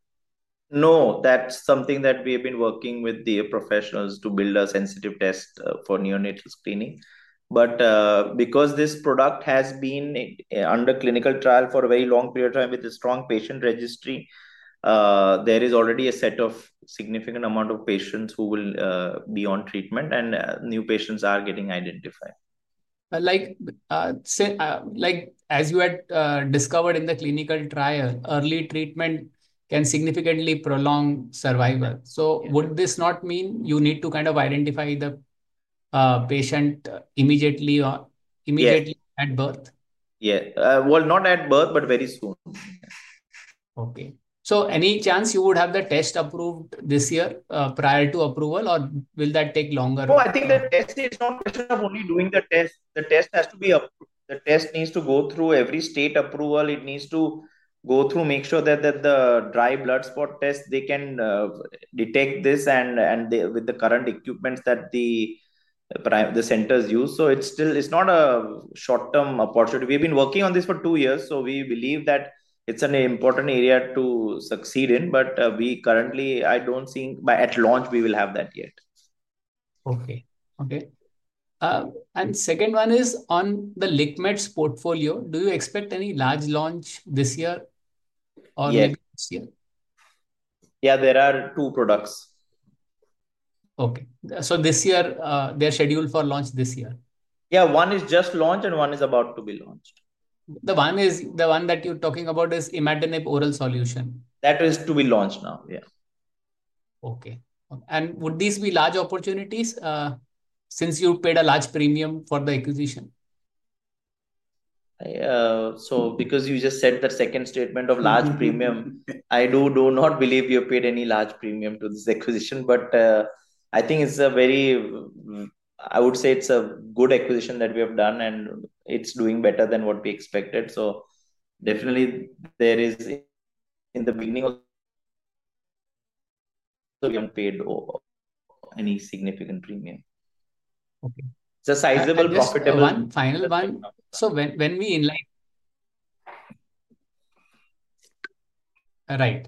No. That's something that we have been working with the professionals to build a sensitive test for neonatal screening. But because this product has been under clinical trial for a very long period of time with a strong patient registry, there is already a set of significant amount of patients who will be on treatment, and new patients are getting identified. As you had discovered in the clinical trial, early treatment can significantly prolong survival. So would this not mean you need to kind of identify the patient immediately at birth? Yeah, well, not at birth, but very soon. Okay. So any chance you would have the test approved this year prior to approval, or will that take longer? No, I think the test is not a question of only doing the test. The test has to be approved. The test needs to go through every state approval. It needs to go through, make sure that the dry blood spot test, they can detect this with the current equipment that the centers use. So it's not a short-term opportunity. We've been working on this for two years, so we believe that it's an important area to succeed in. But currently, I don't think at launch we will have that yet. Okay. Okay. And second one is on the lenalidomide portfolio. Do you expect any large launch this year or maybe next year? Yeah. There are two products. Okay. So this year, they're scheduled for launch this year? Yeah. One is just launched, and one is about to be launched. The one that you're talking about is imatinib oral solution. That is to be launched now. Yeah. Okay. And would these be large opportunities since you paid a large premium for the acquisition? So, because you just said the second statement of large premium, I do not believe you paid any large premium to this acquisition. But I think it's a very, I would say, it's a good acquisition that we have done, and it's doing better than what we expected. So definitely, there is in the beginning, we haven't paid any significant premium. Okay. It's a sizable profitable. Final one. So when we in. Right.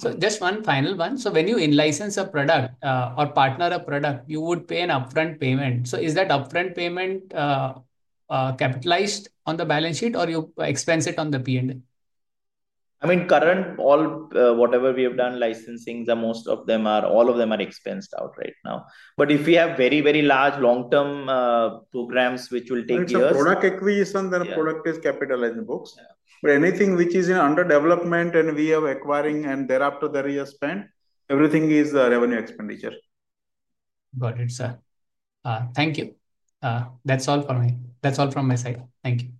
So just one final one. So when you in-license a product or partner a product, you would pay an upfront payment. So is that upfront payment capitalized on the balance sheet, or you expense it on the P&L? I mean, currently, all whatever we have done licensing, most of them, all of them are expensed out right now. But if we have very, very large long-term programs, which will take years. It's a product acquisition, then the product is capitalized in books. But anything which is under development and we are acquiring and thereafter the R&D spend, everything is revenue expenditure. Got it, sir. Thank you. That's all from me. That's all from my side. Thank you.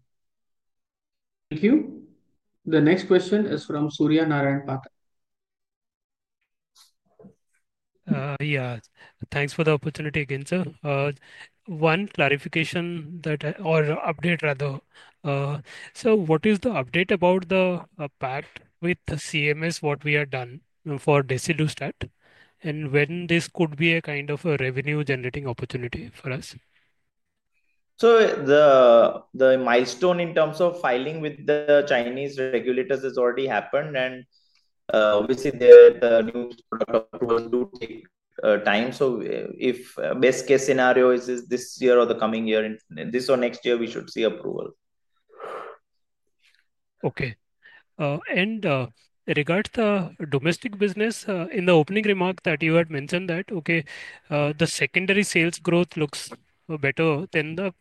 Thank you. The next question is from Suryanarayan Patel. Yeah. Thanks for the opportunity again, sir. One clarification or update, rather. So what is the update about the pact with CMS, what we have done for desidustat? And when this could be a kind of a revenue-generating opportunity for us? So the milestone in terms of filing with the Chinese regulators has already happened. And obviously, the new product approval do take time. So if best-case scenario is this year or the coming year, this or next year, we should see approval. Okay. Regarding the domestic business, in the opening remark that you had mentioned that the secondary sales growth looks better than the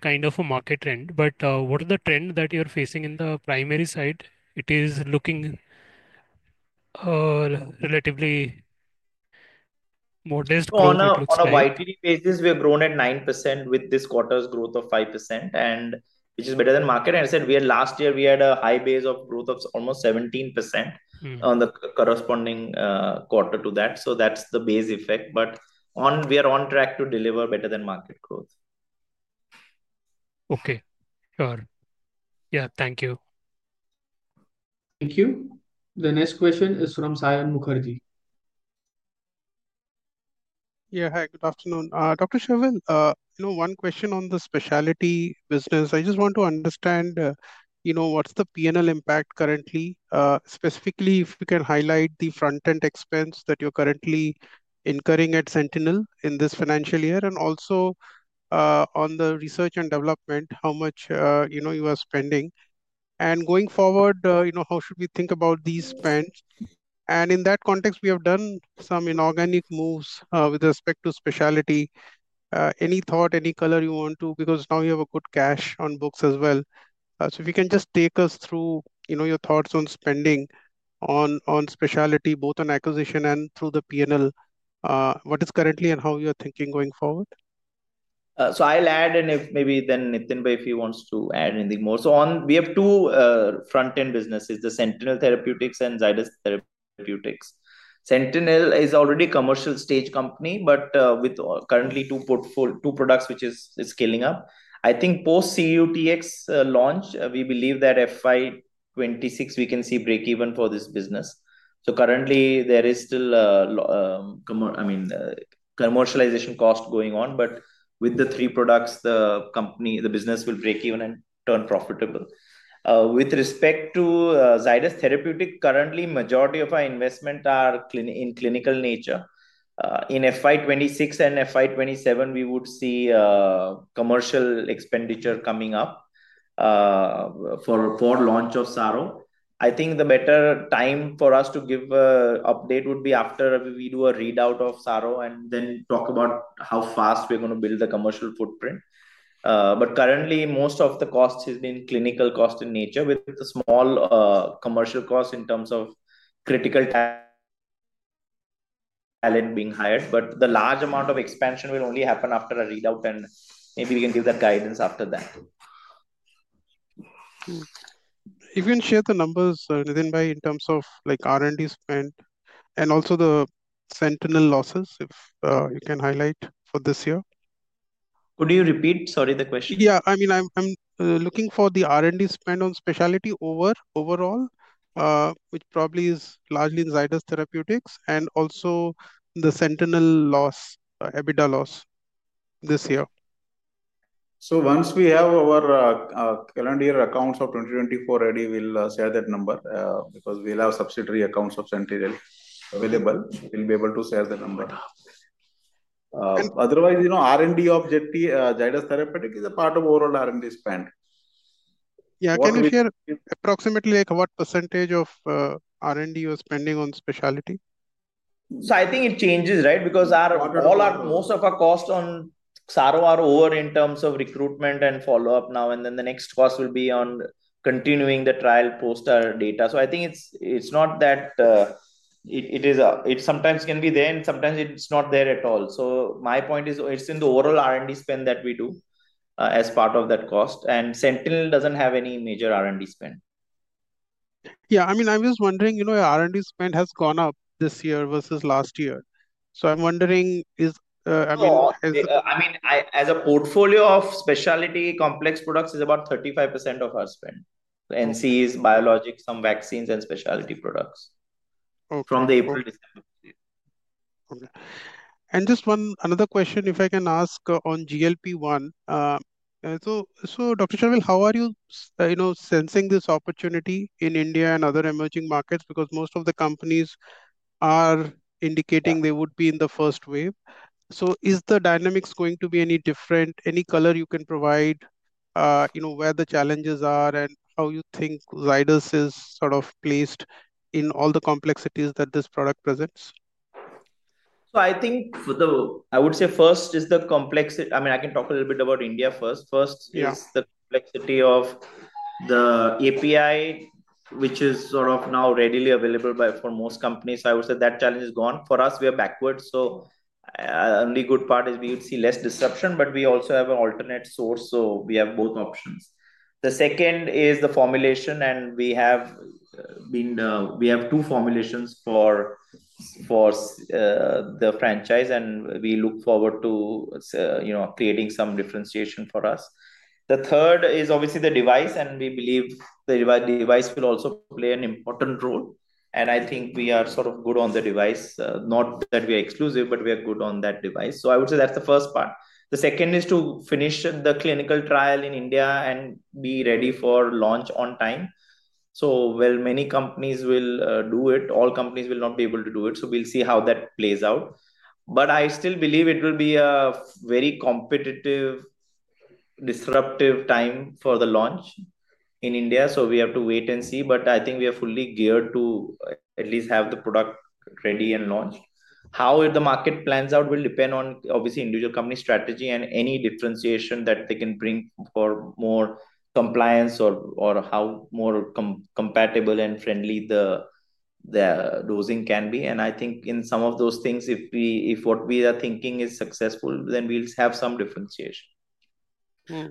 kind of a market trend. But what is the trend that you're facing in the primary side? It is looking relatively modest. On a YTD basis, we have grown at 9% with this quarter's growth of 5%, which is better than market. And I said, last year, we had a high base of growth of almost 17% on the corresponding quarter to that. So that's the base effect. But we are on track to deliver better than market growth. Okay. Sure. Yeah. Thank you. Thank you. The next question is from Sayan Mukherjee. Yeah. Hi. Good afternoon. Dr. Sharvil, one question on the specialty business. I just want to understand what's the P&L impact currently? Specifically, if you can highlight the front-end expense that you're currently incurring at Sentynl in this financial year and also on the research and development, how much you are spending. And going forward, how should we think about these spends? And in that context, we have done some inorganic moves with respect to specialty. Any thought, any color you want to, because now you have a good cash on books as well. So if you can just take us through your thoughts on spending on specialty, both on acquisition and through the P&L, what is currently and how you are thinking going forward? So I'll add, and maybe then Nitin Bhai if he wants to add anything more. So we have two front-end businesses, the Sentynl Therapeutics and Zydus Therapeutics. Sentynl is already a commercial stage company, but with currently two products which is scaling up. I think post-CUTX launch, we believe that FY26 we can see break-even for this business. So currently, there is still, I mean, commercialization cost going on, but with the three products, the business will break-even and turn profitable. With respect to Zydus Therapeutics, currently, majority of our investment are in clinical nature. In FY26 and FY27, we would see commercial expenditure coming up for launch of Saro. I think the better time for us to give an update would be after we do a readout of Saro and then talk about how fast we're going to build the commercial footprint. But currently, most of the cost has been clinical cost in nature with the small commercial cost in terms of critical talent being hired. But the large amount of expansion will only happen after a readout, and maybe we can give that guidance after that. If you can share the numbers, Nitin bhai, in terms of R&D spend and also the Sentynl losses, if you can highlight for this year? Could you repeat? Sorry, the question. Yeah. I mean, I'm looking for the R&D spend on specialty overall, which probably is largely in Zydus Therapeutics and also the Sentynl loss, EBITDA loss this year. Once we have our calendar year accounts of 2024 ready, we'll share that number because we'll have subsidiary accounts of Sentynl available. We'll be able to share the number. Otherwise, R&D of Zydus Therapeutics is a part of overall R&D spend. Yeah. Can you share approximately what percentage of R&D you are spending on specialty? So I think it changes, right? Because most of our costs on Saro are over in terms of recruitment and follow-up now, and then the next cost will be on continuing the trial post data. So I think it's not that it sometimes can be there, and sometimes it's not there at all. So my point is it's in the overall R&D spend that we do as part of that cost. And Sentynl doesn't have any major R&D spend. Yeah. I mean, I'm just wondering, R&D spend has gone up this year versus last year. So I'm wondering, I mean. I mean, as a portfolio of specialty complex products, it's about 35% of our spend. NCEs, biologics, some vaccines, and specialty products from the April-December period. Okay. And just one another question, if I can ask on GLP-1. So Dr. Sharvil, how are you sensing this opportunity in India and other emerging markets? Because most of the companies are indicating they would be in the first wave. So is the dynamics going to be any different? Any color you can provide where the challenges are and how you think Zydus is sort of placed in all the complexities that this product presents? So I think I would say first is the complexity. I mean, I can talk a little bit about India first. First is the complexity of the API, which is sort of now readily available for most companies. I would say that challenge is gone. For us, we are backward. So the only good part is we would see less disruption, but we also have an alternate source. So we have both options. The second is the formulation, and we have two formulations for the franchise, and we look forward to creating some differentiation for us. The third is obviously the device, and we believe the device will also play an important role. And I think we are sort of good on the device. Not that we are exclusive, but we are good on that device. So I would say that's the first part. The second is to finish the clinical trial in India and be ready for launch on time. So while many companies will do it, all companies will not be able to do it. So we'll see how that plays out. But I still believe it will be a very competitive, disruptive time for the launch in India. So we have to wait and see. But I think we are fully geared to at least have the product ready and launched. How the market plans out will depend on, obviously, individual company strategy and any differentiation that they can bring for more compliance or how more compatible and friendly the dosing can be. And I think in some of those things, if what we are thinking is successful, then we'll have some differentiation.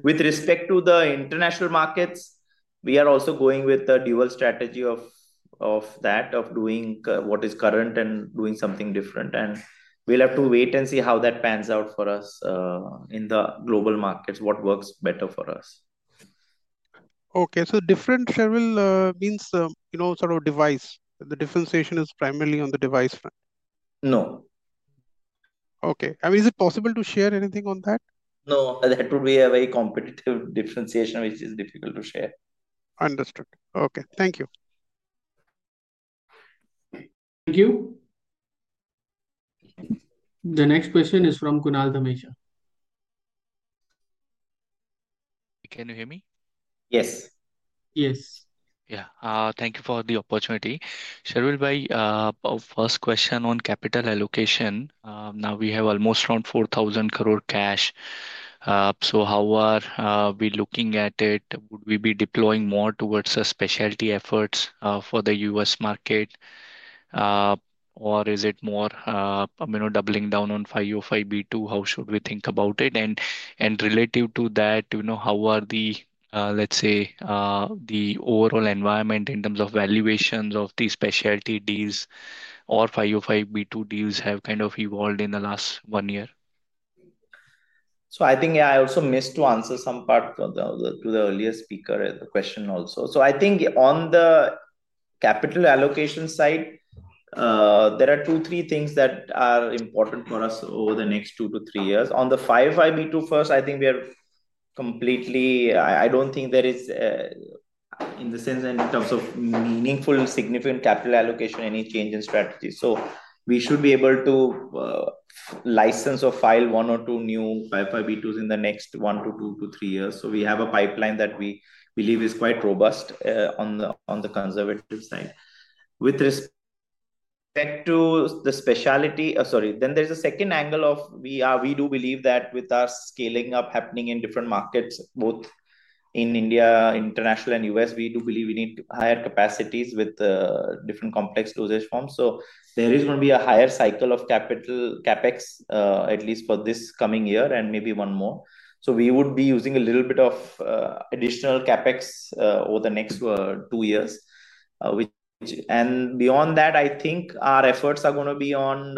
With respect to the international markets, we are also going with the dual strategy of that, of doing what is current and doing something different. And we'll have to wait and see how that pans out for us in the global markets, what works better for us. Okay. So different, Sharvil, means sort of device. The differentiation is primarily on the device front. No. Okay. I mean, is it possible to share anything on that? No. That would be a very competitive differentiation, which is difficult to share. Understood. Okay. Thank you. Thank you. The next question is from Kunal Dhamesha. Can you hear me? Yes. Yeah. Thank you for the opportunity. Sharvil bhai, first question on capital allocation. Now we have almost around 4,000 crore cash. So how are we looking at it? Would we be deploying more towards specialty efforts for the U.S. market, or is it more doubling down on 505(b)(2)? How should we think about it? And relative to that, how are the, let's say, the overall environment in terms of valuations of these specialty deals or 505(b)(2) deals have kind of evolved in the last one year? So I think I also missed to answer some part to the earlier speaker question also. So I think on the capital allocation side, there are two, three things that are important for us over the next two to three years. On the 505(b)(2) first, I think we are completely. I don't think there is, in the sense in terms of meaningful, significant capital allocation, any change in strategy. So we should be able to license or file one or two new 505(b)(2)s in the next one to two to three years. So we have a pipeline that we believe is quite robust on the conservative side. With respect to the specialty, sorry, then there's a second angle of we do believe that with our scaling up happening in different markets, both in India, international, and U.S., we do believe we need higher capacities with different complex dosage forms. So there is going to be a higher cycle of capital CapEx, at least for this coming year and maybe one more. So we would be using a little bit of additional CapEx over the next two years. And beyond that, I think our efforts are going to be on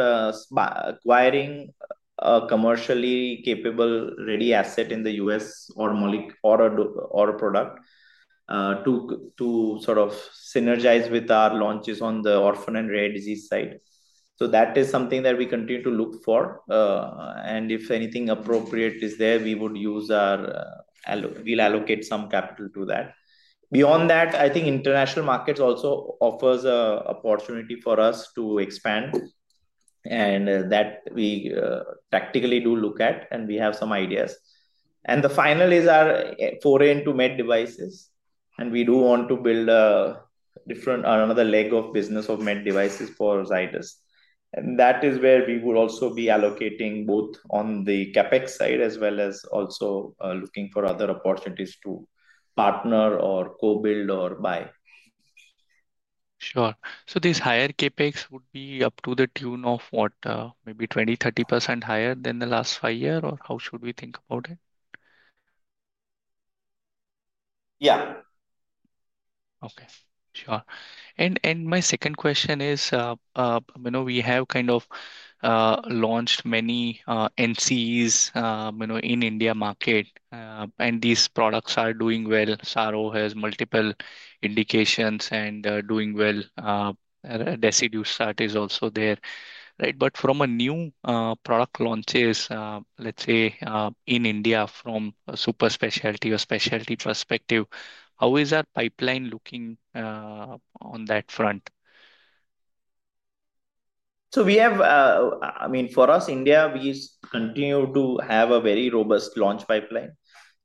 acquiring a commercially capable ready asset in the U.S. or a product to sort of synergize with our launches on the orphan and rare disease side. So that is something that we continue to look for. And if anything appropriate is there, we would use. We'll allocate some capital to that. Beyond that, I think international markets also offers opportunity for us to expand, and that we tactically do look at, and we have some ideas. And finally is our foray into med devices. We do want to build another leg of business of med devices for Zydus. That is where we would also be allocating both on the CapEx side as well as also looking for other opportunities to partner or co-build or buy. Sure. So these higher CapEx would be up to the tune of what, maybe 20%-30% higher than the last five-year, or how should we think about it? Yeah. Okay. Sure. And my second question is, we have kind of launched many NCEs in India market, and these products are doing well. Saro has multiple indications and doing well. Desidustat is also there, right? But from a new product launches, let's say, in India from a super specialty or specialty perspective, how is that pipeline looking on that front? So we have, I mean, for us, India, we continue to have a very robust launch pipeline.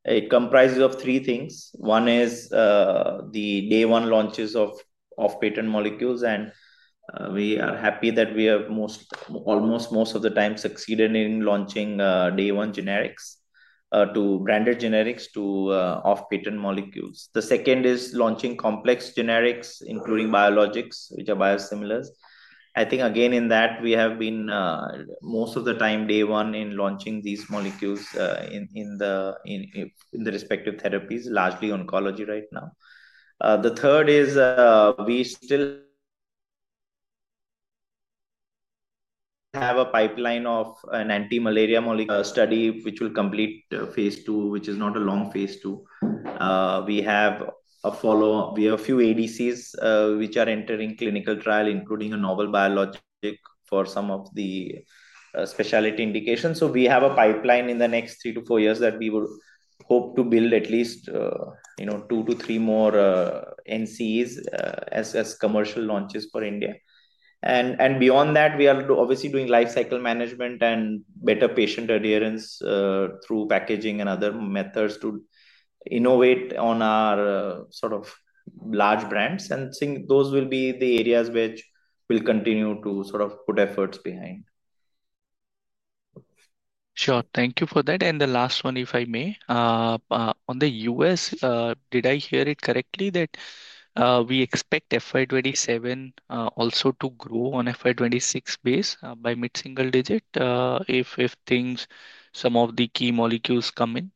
It comprises of three things. One is the day-one launches of patented molecules, and we are happy that we have almost most of the time succeeded in launching day-one generics to branded generics to off-patent molecules. The second is launching complex generics, including biologics, which are biosimilars. I think, again, in that, we have been most of the time day-one in launching these molecules in the respective therapies, largely oncology right now. The third is we still have a pipeline of an anti-malarial study, which will complete Phase 2, which is not a long Phase 2. We have a follow-up. We have a few ADCs which are entering clinical trial, including a novel biologic for some of the specialty indications. We have a pipeline in the next three to four years that we would hope to build at least two to three more NCEs as commercial launches for India. And beyond that, we are obviously doing life cycle management and better patient adherence through packaging and other methods to innovate on our sort of large brands. And I think those will be the areas which we'll continue to sort of put efforts behind. Sure. Thank you for that. And the last one, if I may, on the U.S., did I hear it correctly that we expect FY27 also to grow on FY26 base by mid-single digit if some of the key molecules come in?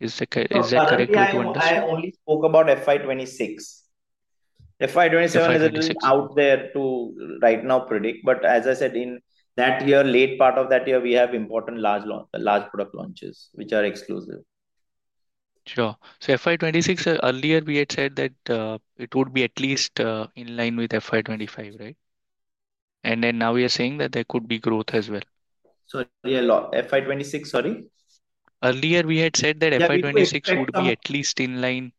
Is that correct? No, I only spoke about FY26. FY27 isn't out there right now to predict. But as I said, in that year, late part of that year, we have important large product launches which are exclusive. Sure. So FY26, earlier, we had said that it would be at least in line with FY25, right? And then now we are saying that there could be growth as well. FY26, sorry? Earlier, we had said that FY26 would be at least in line.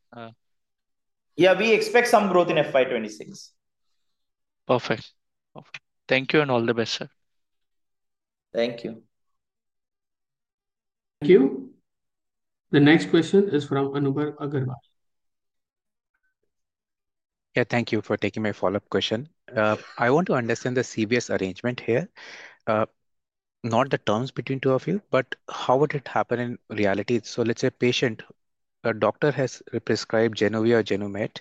Yeah, we expect some growth in FY26. Perfect. Thank you, and all the best, sir. Thank you. Thank you. The next question is from Anubhav Agarwal. Yeah, thank you for taking my follow-up question. I want to understand the CVS arrangement here, not the terms between two of you, but how would it happen in reality? So let's say a patient, a doctor has prescribed Januvia or Janumet.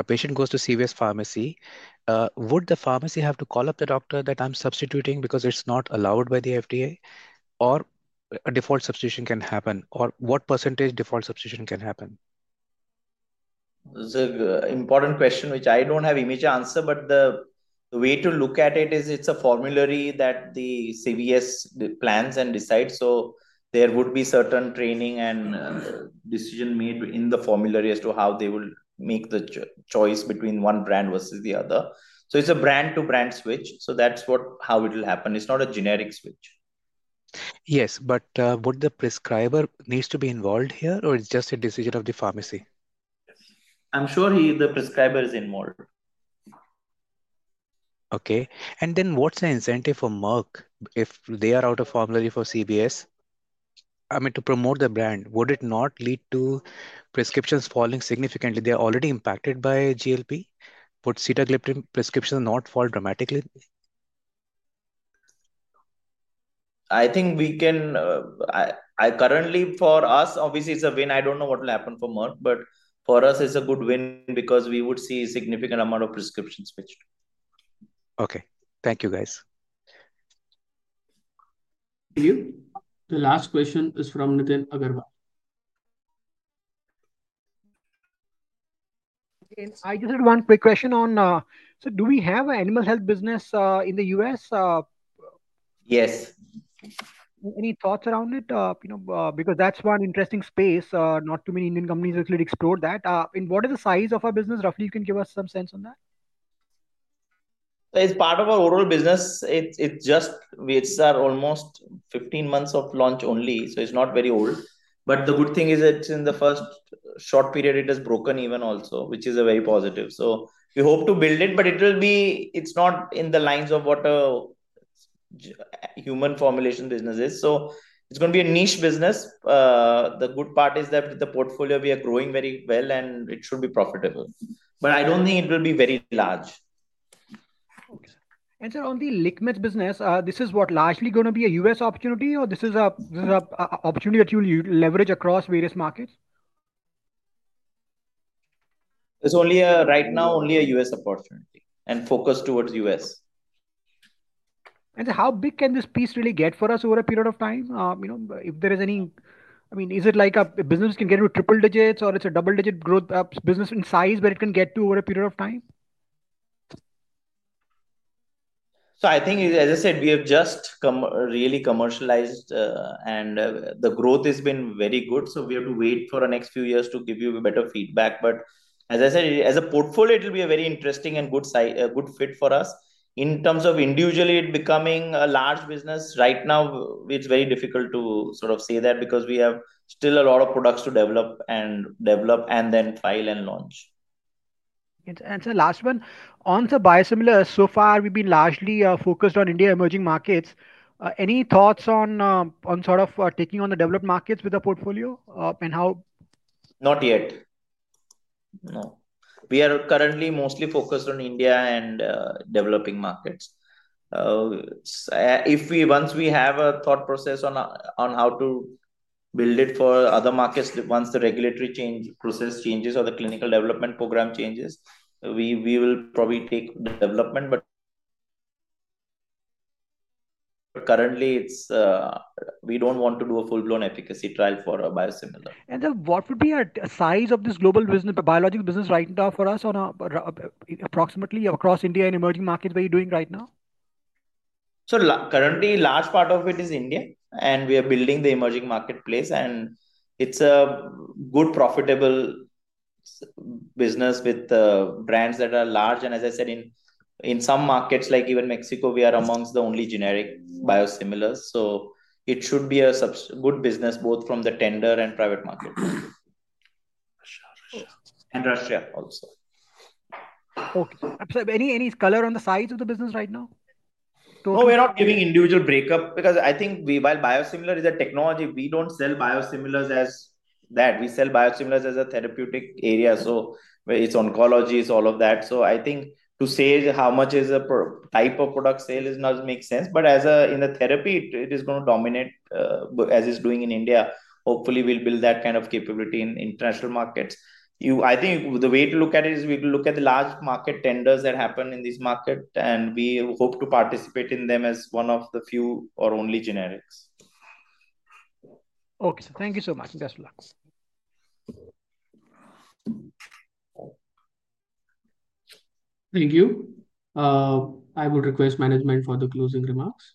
A patient goes to CVS Pharmacy. Would the pharmacy have to call up the doctor that I'm substituting because it's not allowed by the FDA? Or a default substitution can happen? Or what percentage default substitution can happen? It's an important question, which I don't have immediate answer, but the way to look at it is it's a formulary that the CVS plans and decides. So there would be certain training and decision made in the formulary as to how they would make the choice between one brand versus the other. So it's a brand-to-brand switch. So that's how it will happen. It's not a generic switch, Yes, but would the prescriber need to be involved here, or it's just a decision of the pharmacy? I'm sure the prescriber is involved. Okay, and then what's the incentive for Merck if they are out of formulary for CVS? I mean, to promote the brand, would it not lead to prescriptions falling significantly? They're already impacted by GLP. Would sitagliptin prescriptions not fall dramatically? I think we can currently, for us, obviously, it's a win. I don't know what will happen for Merck, but for us, it's a good win because we would see a significant amount of prescriptions switched. Okay. Thank you, guys. Thank you. The last question is from Nitin Agarwal. I just had one quick question, so do we have an animal health business in the U.S.? Yes. Any thoughts around it? Because that's one interesting space. Not too many Indian companies actually explored that. And what is the size of our business? Roughly, you can give us some sense on that? It's part of our overall business. It's just we are almost 15 months of launch only, so it's not very old. But the good thing is that in the first short period, it has broken even also, which is very positive. So we hope to build it, but it will be, it's not in the lines of what a human formulation business is. So it's going to be a niche business. The good part is that with the portfolio, we are growing very well, and it should be profitable. But I don't think it will be very large. Sir, on the liquid business, this is what largely going to be a U.S. opportunity, or this is an opportunity that you will leverage across various markets? It's only right now, only a U.S. opportunity and focused towards U.S. How big can this piece really get for us over a period of time? If there is any I mean, is it like a business can get into triple digits, or it's a double-digit growth business in size where it can get to over a period of time? So I think, as I said, we have just really commercialized, and the growth has been very good. So we have to wait for the next few years to give you better feedback. But as I said, as a portfolio, it will be a very interesting and good fit for us. In terms of individually becoming a large business, right now, it's very difficult to sort of say that because we have still a lot of products to develop and develop and then trial and launch. Sir, last one. On the biosimilars, so far, we've been largely focused on India emerging markets. Any thoughts on sort of taking on the developed markets with the portfolio and how? Not yet. No. We are currently mostly focused on India and developing markets. If once we have a thought process on how to build it for other markets, once the regulatory process changes or the clinical development program changes, we will probably take the development. But currently, we don't want to do a full-blown efficacy trial for a biosimilar. What would be the size of this global biologic business right now for us on approximately across India and emerging markets where you're doing right now? So currently, a large part of it is India, and we are building the emerging markets. And it's a good profitable business with brands that are large. And as I said, in some markets, like even Mexico, we are among the only generic biosimilars. So it should be a good business both from the tender and private market. And Russia also. Okay. Any color on the size of the business right now? No, we're not giving individual breakup because I think while biosimilar is a technology, we don't sell biosimilars as that. We sell biosimilars as a therapeutic area. So it's oncology, it's all of that. So I think to say how much is a type of product sale does not make sense. But in the therapy, it is going to dominate as it's doing in India. Hopefully, we'll build that kind of capability in international markets. I think the way to look at it is we look at the large market tenders that happen in these markets, and we hope to participate in them as one of the few or only generics. Okay. So thank you so much. Best of luck. Thank you. I will request management for the closing remarks.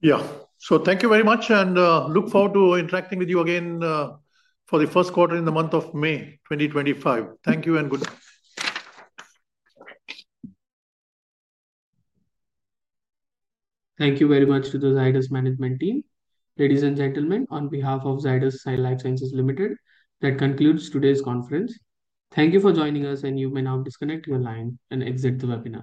Yeah. So thank you very much, and look forward to interacting with you again for the Q1 in the month of May 2025. Thank you and goodbye. Thank you very much to the Zydus management team. Ladies and gentlemen, on behalf of Zydus Lifesciences Limited, that concludes today's conference. Thank you for joining us, and you may now disconnect your line and exit the webinar.